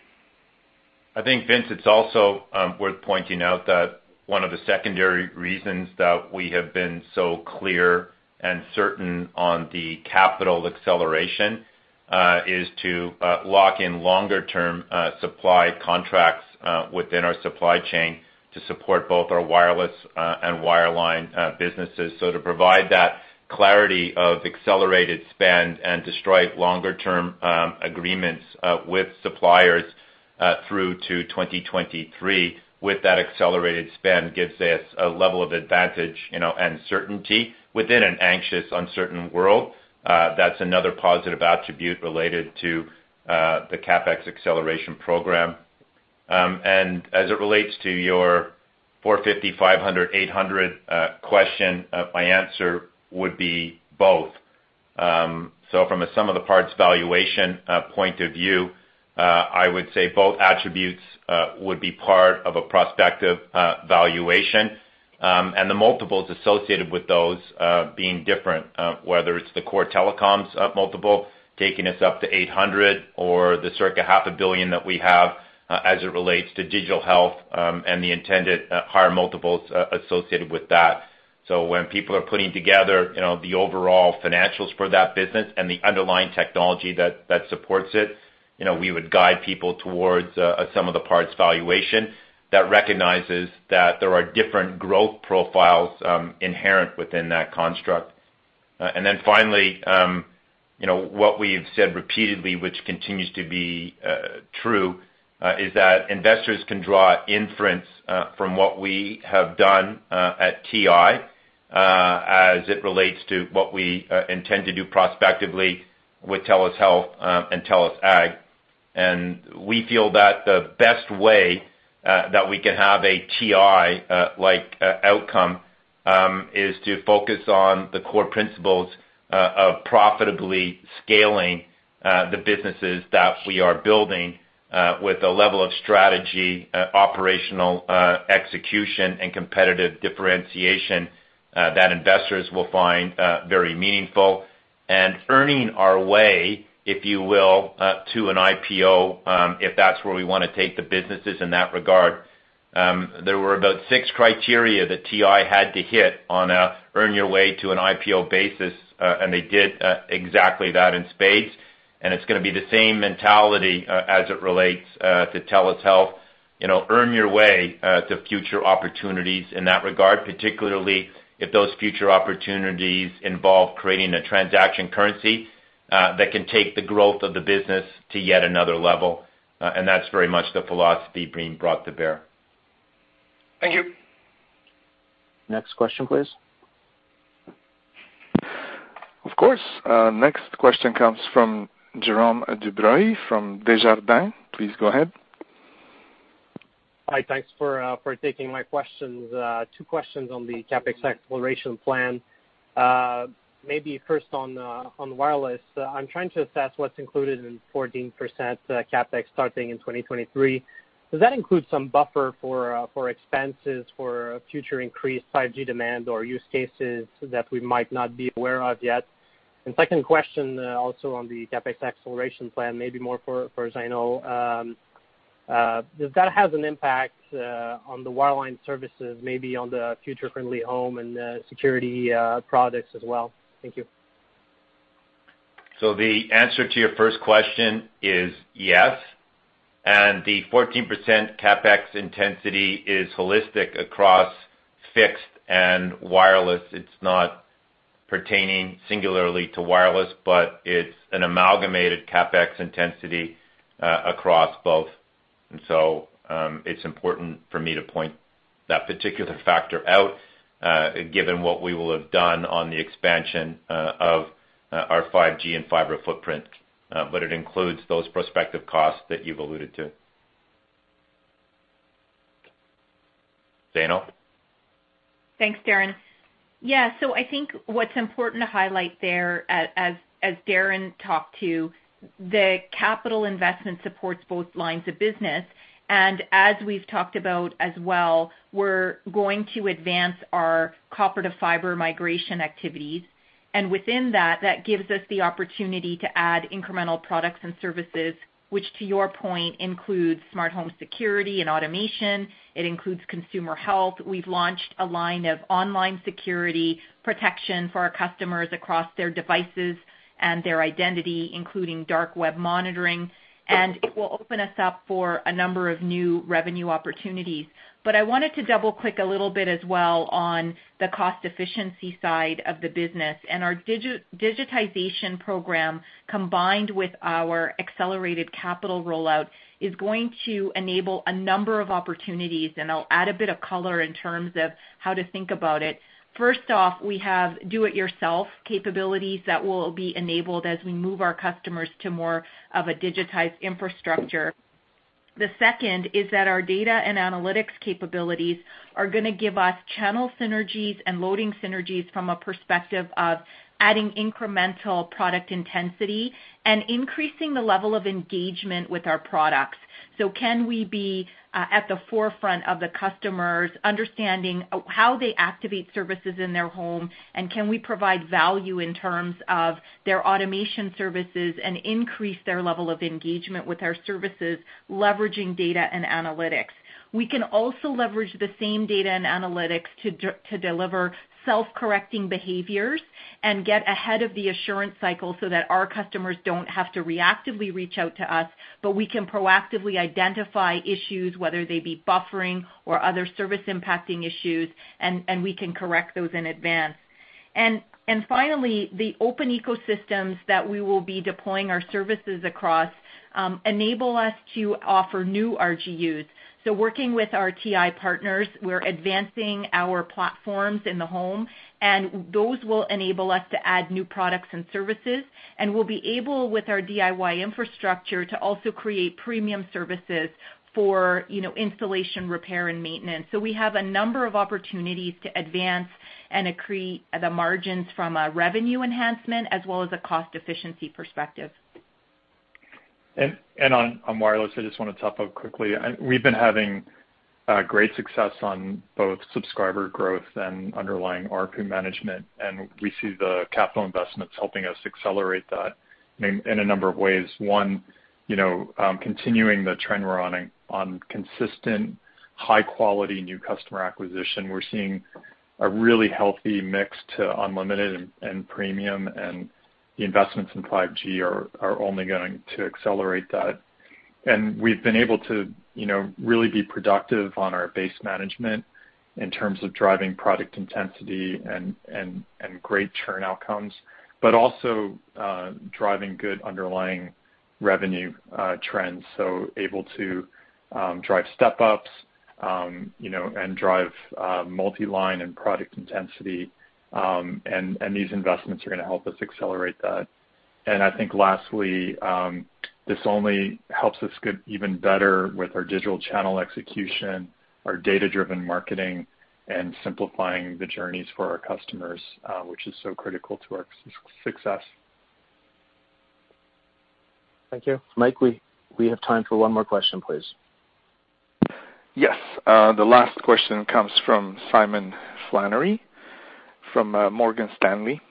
I think, Vince, it's also worth pointing out that one of the secondary reasons that we have been so clear and certain on the capital acceleration is to lock in longer-term supply contracts within our supply chain to support both our wireless and wireline businesses. To provide that clarity of accelerated spend and to strike longer-term agreements with suppliers through to 2023 with that accelerated spend gives us a level of advantage and certainty within an anxious, uncertain world. That's another positive attribute related to the CapEx acceleration program. As it relates to your 450, 500, 800 question, my answer would be both. From a sum of the parts valuation point of view, I would say both attributes would be part of a prospective valuation, and the multiples associated with those being different, whether it's the core telecoms multiple taking us up to 800 or the circa half a billion that we have as it relates to digital health and the intended higher multiples associated with that. When people are putting together the overall financials for that business and the underlying technology that supports it, we would guide people towards a sum of the parts valuation that recognizes that there are different growth profiles inherent within that construct. Then finally, what we have said repeatedly, which continues to be true, is that investors can draw inference from what we have done at TI as it relates to what we intend to do prospectively with TELUS Health and TELUS Ag. We feel that the best way that we can have a TI-like outcome is to focus on the core principles of profitably scaling the businesses that we are building with a level of strategy, operational execution, and competitive differentiation that investors will find very meaningful. Earning our way, if you will, to an IPO, if that's where we want to take the businesses in that regard. There were about six criteria that TI had to hit on an earn-your-way-to-an-IPO basis, and they did exactly that in spades. It's going to be the same mentality as it relates to TELUS Health. Earn your way to future opportunities in that regard, particularly if those future opportunities involve creating a transaction currency that can take the growth of the business to yet another level. That's very much the philosophy being brought to bear. Thank you. Next question, please. Of course. Next question comes from Jerome Dubreuil from Desjardins. Please go ahead. Hi. Thanks for taking my questions. Two questions on the CapEx acceleration plan. Maybe first on wireless. I'm trying to assess what's included in 14% CapEx starting in 2023. Does that include some buffer for expenses for future increased 5G demand or use cases that we might not be aware of yet? Second question, also on the CapEx acceleration plan, maybe more for Zainul. Does that have an impact on the wireline services, maybe on the Future-Friendly Home and security products as well? Thank you. The answer to your first question is yes. The 14% CapEx intensity is holistic across fixed and wireless. It's not pertaining singularly to wireless, but it's an amalgamated CapEx intensity across both. It's important for me to point that particular factor out, given what we will have done on the expansion of our 5G and fiber footprint. It includes those prospective costs that you've alluded to. Zainul? Thanks, Darren. Yeah. I think what's important to highlight there, as Darren talked to, the capital investment supports both lines of business. As we've talked about as well, we're going to advance our copper-to-fiber migration activities. Within that gives us the opportunity to add incremental products and services, which to your point, includes smart home security and automation. It includes consumer health. We've launched a line of online security protection for our customers across their devices and their identity, including dark web monitoring. It will open us up for a number of new revenue opportunities. I wanted to double-click a little bit as well on the cost efficiency side of the business, and our digitization program, combined with our accelerated capital rollout, is going to enable a number of opportunities, and I'll add a bit of color in terms of how to think about it. First off, we have do it yourself capabilities that will be enabled as we move our customers to more of a digitized infrastructure. The second is that our data and analytics capabilities are going to give us channel synergies and loading synergies from a perspective of adding incremental product intensity and increasing the level of engagement with our products. Can we be at the forefront of the customers understanding how they activate services in their home, and can we provide value in terms of their automation services and increase their level of engagement with our services, leveraging data and analytics? We can also leverage the same data and analytics to deliver self-correcting behaviors and get ahead of the assurance cycle so that our customers don't have to reactively reach out to us, but we can proactively identify issues, whether they be buffering or other service impacting issues, and we can correct those in advance. Finally, the open ecosystems that we will be deploying our services across enable us to offer new RGUs. Working with our TI partners, we're advancing our platforms in the home, and those will enable us to add new products and services. We'll be able, with our DIY infrastructure, to also create premium services for installation, repair, and maintenance. We have a number of opportunities to advance and accrete the margins from a revenue enhancement as well as a cost efficiency perspective. On wireless, I just want to top out quickly. We've been having great success on both subscriber growth and underlying ARPU management. We see the capital investments helping us accelerate that in a number of ways. One, continuing the trend we're on consistent high-quality new customer acquisition. We're seeing a really healthy mix to unlimited and premium. The investments in 5G are only going to accelerate that. We've been able to really be productive on our base management in terms of driving product intensity and great churn outcomes, but also driving good underlying revenue trends. Able to drive step-ups, and drive multi-line and product intensity. These investments are going to help us accelerate that. I think lastly, this only helps us get even better with our digital channel execution, our data-driven marketing, and simplifying the journeys for our customers, which is so critical to our success. Thank you. Mike, we have time for one more question, please. Yes. The last question comes from Simon Flannery from Morgan Stanley.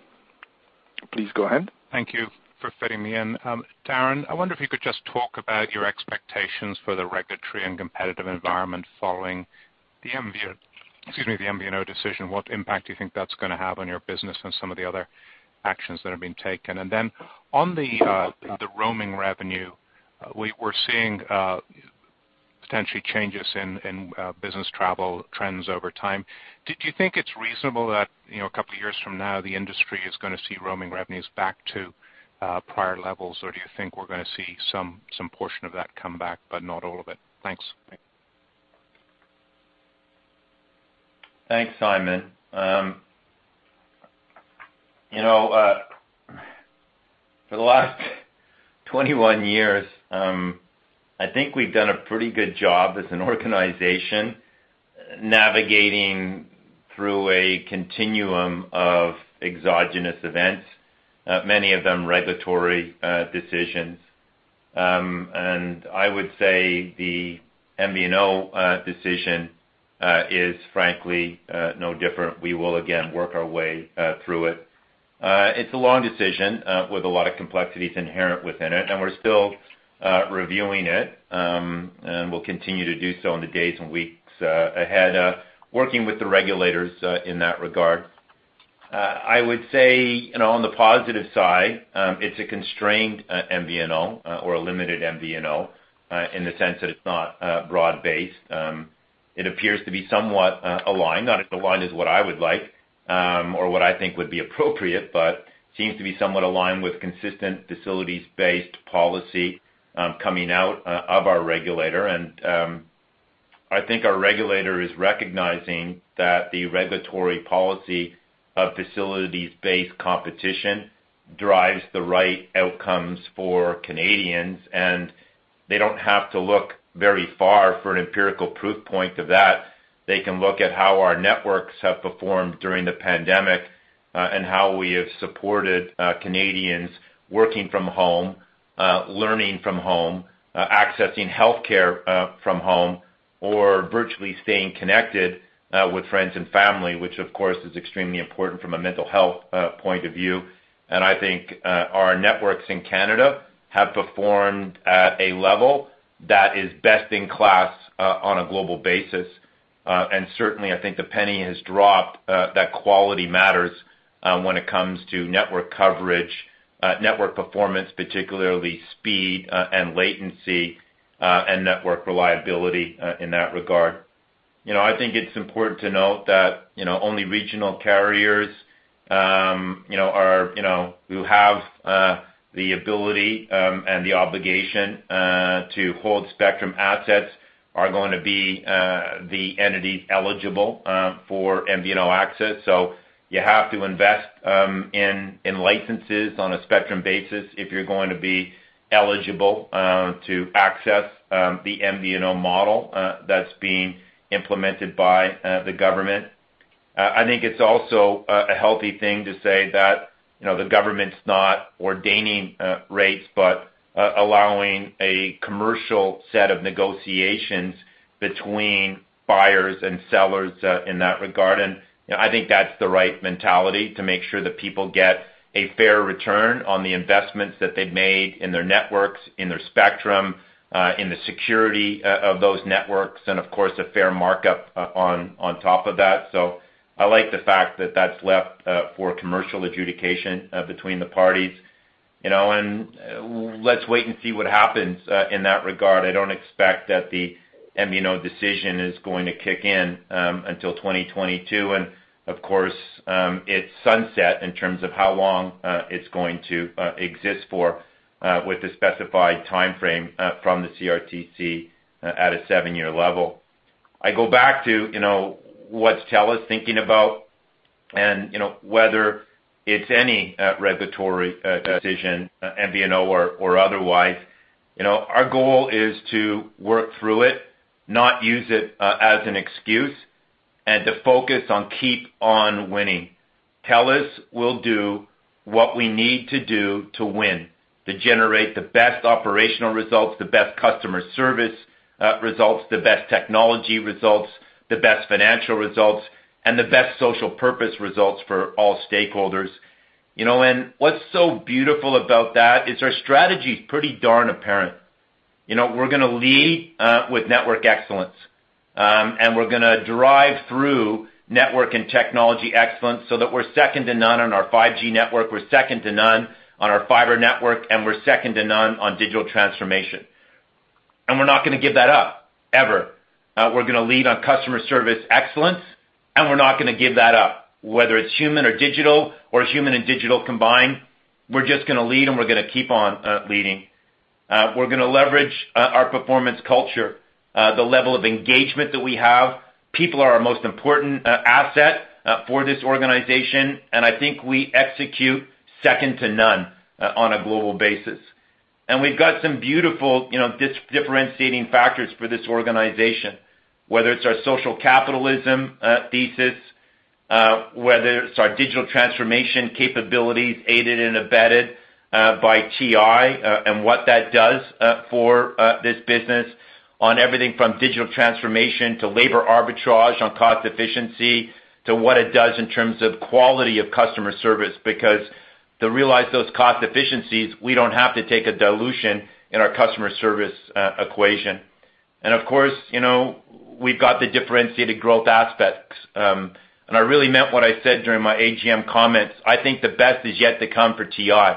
Please go ahead. Thank you for fitting me in. Darren, I wonder if you could just talk about your expectations for the regulatory and competitive environment following excuse me, the MVNO decision. What impact do you think that's going to have on your business and some of the other actions that have been taken? On the roaming revenue, we're seeing potentially changes in business travel trends over time. Do you think it's reasonable that a couple of years from now, the industry is going to see roaming revenues back to prior levels, or do you think we're going to see some portion of that come back, but not all of it? Thanks. Thanks, Simon. For the last 21 years, I think we've done a pretty good job as an organization navigating through a continuum of exogenous events, many of them regulatory decisions. I would say the MVNO decision is frankly no different. We will again work our way through it. It's a long decision with a lot of complexities inherent within it, and we're still reviewing it. We'll continue to do so in the days and weeks ahead, working with the regulators in that regard. I would say, on the positive side, it's a constrained MVNO or a limited MVNO in the sense that it's not broad-based. It appears to be somewhat aligned, not aligned as what I would like or what I think would be appropriate, but seems to be somewhat aligned with consistent facilities-based policy coming out of our regulator. I think our regulator is recognizing that the regulatory policy of facilities-based competition drives the right outcomes for Canadians, and they don't have to look very far for an empirical proof point of that. They can look at how our networks have performed during the pandemic and how we have supported Canadians working from home, learning from home, accessing healthcare from home, or virtually staying connected with friends and family, which of course, is extremely important from a mental health point of view. I think our networks in Canada have performed at a level that is best in class on a global basis. Certainly, I think the penny has dropped that quality matters when it comes to network coverage, network performance, particularly speed and latency, and network reliability in that regard. I think it's important to note that only regional carriers who have the ability and the obligation to hold spectrum assets are going to be the entities eligible for MVNO access. You have to invest in licenses on a spectrum basis if you're going to be eligible to access the MVNO model that's being implemented by the government. I think it's also a healthy thing to say that the government's not ordaining rates, but allowing a commercial set of negotiations between buyers and sellers in that regard. I think that's the right mentality to make sure that people get a fair return on the investments that they've made in their networks, in their spectrum, in the security of those networks, and of course, a fair markup on top of that. I like the fact that that's left for commercial adjudication between the parties. Let's wait and see what happens in that regard. I don't expect that the MVNO decision is going to kick in until 2022. Of course, it's sunset in terms of how long it's going to exist for with the specified timeframe from the CRTC at a seven-year level. I go back to what TELUS is thinking about and whether it's any regulatory decision, MVNO or otherwise. Our goal is to work through it, not use it as an excuse, and to focus on keep on winning. TELUS will do what we need to do to win, to generate the best operational results, the best customer service results, the best technology results, the best financial results, and the best social purpose results for all stakeholders. What's so beautiful about that is our strategy is pretty darn apparent. We're going to lead with network excellence. We're going to drive through network and technology excellence so that we're second to none on our 5G network, we're second to none on our fiber network, and we're second to none on digital transformation. We're not going to give that up, ever. We're going to lead on customer service excellence, and we're not going to give that up. Whether it's human or digital or it's human and digital combined, we're just going to lead, and we're going to keep on leading. We're going to leverage our performance culture, the level of engagement that we have. People are our most important asset for this organization, and I think we execute second to none on a global basis. We've got some beautiful differentiating factors for this organization, whether it's our social capitalism thesis, whether it's our digital transformation capabilities aided and abetted by TI and what that does for this business on everything from digital transformation to labor arbitrage on cost efficiency to what it does in terms of quality of customer service. Because to realize those cost efficiencies, we don't have to take a dilution in our customer service equation. Of course, we've got the differentiated growth aspects. I really meant what I said during my AGM comments. I think the best is yet to come for TI.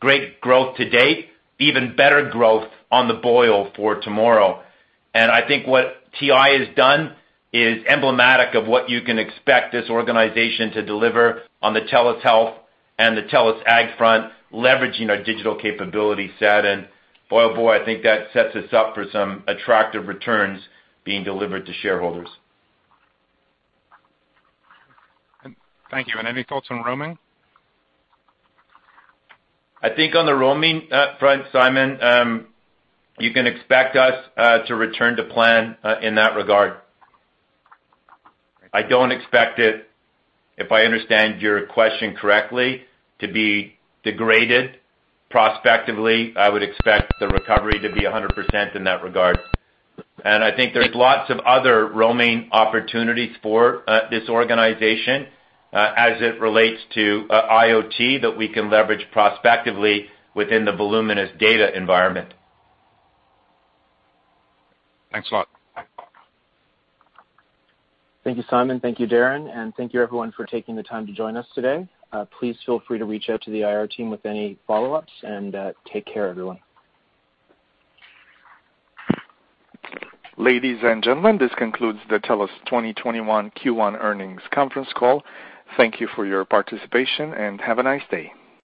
Great growth to date, even better growth on the boil for tomorrow. I think what TI has done is emblematic of what you can expect this organization to deliver on the TELUS Health and the TELUS Ag front, leveraging our digital capability set. Boy, I think that sets us up for some attractive returns being delivered to shareholders. Thank you. Any thoughts on roaming? I think on the roaming front, Simon, you can expect us to return to plan in that regard. I don't expect it, if I understand your question correctly, to be degraded prospectively. I would expect the recovery to be 100% in that regard. I think there's lots of other roaming opportunities for this organization as it relates to IoT that we can leverage prospectively within the voluminous data environment. Thanks a lot. Thank you, Simon. Thank you, Darren, and thank you everyone for taking the time to join us today. Please feel free to reach out to the IR team with any follow-ups, and take care everyone. Ladies and gentlemen, this concludes the TELUS 2021 Q1 earnings conference call. Thank you for your participation, and have a nice day.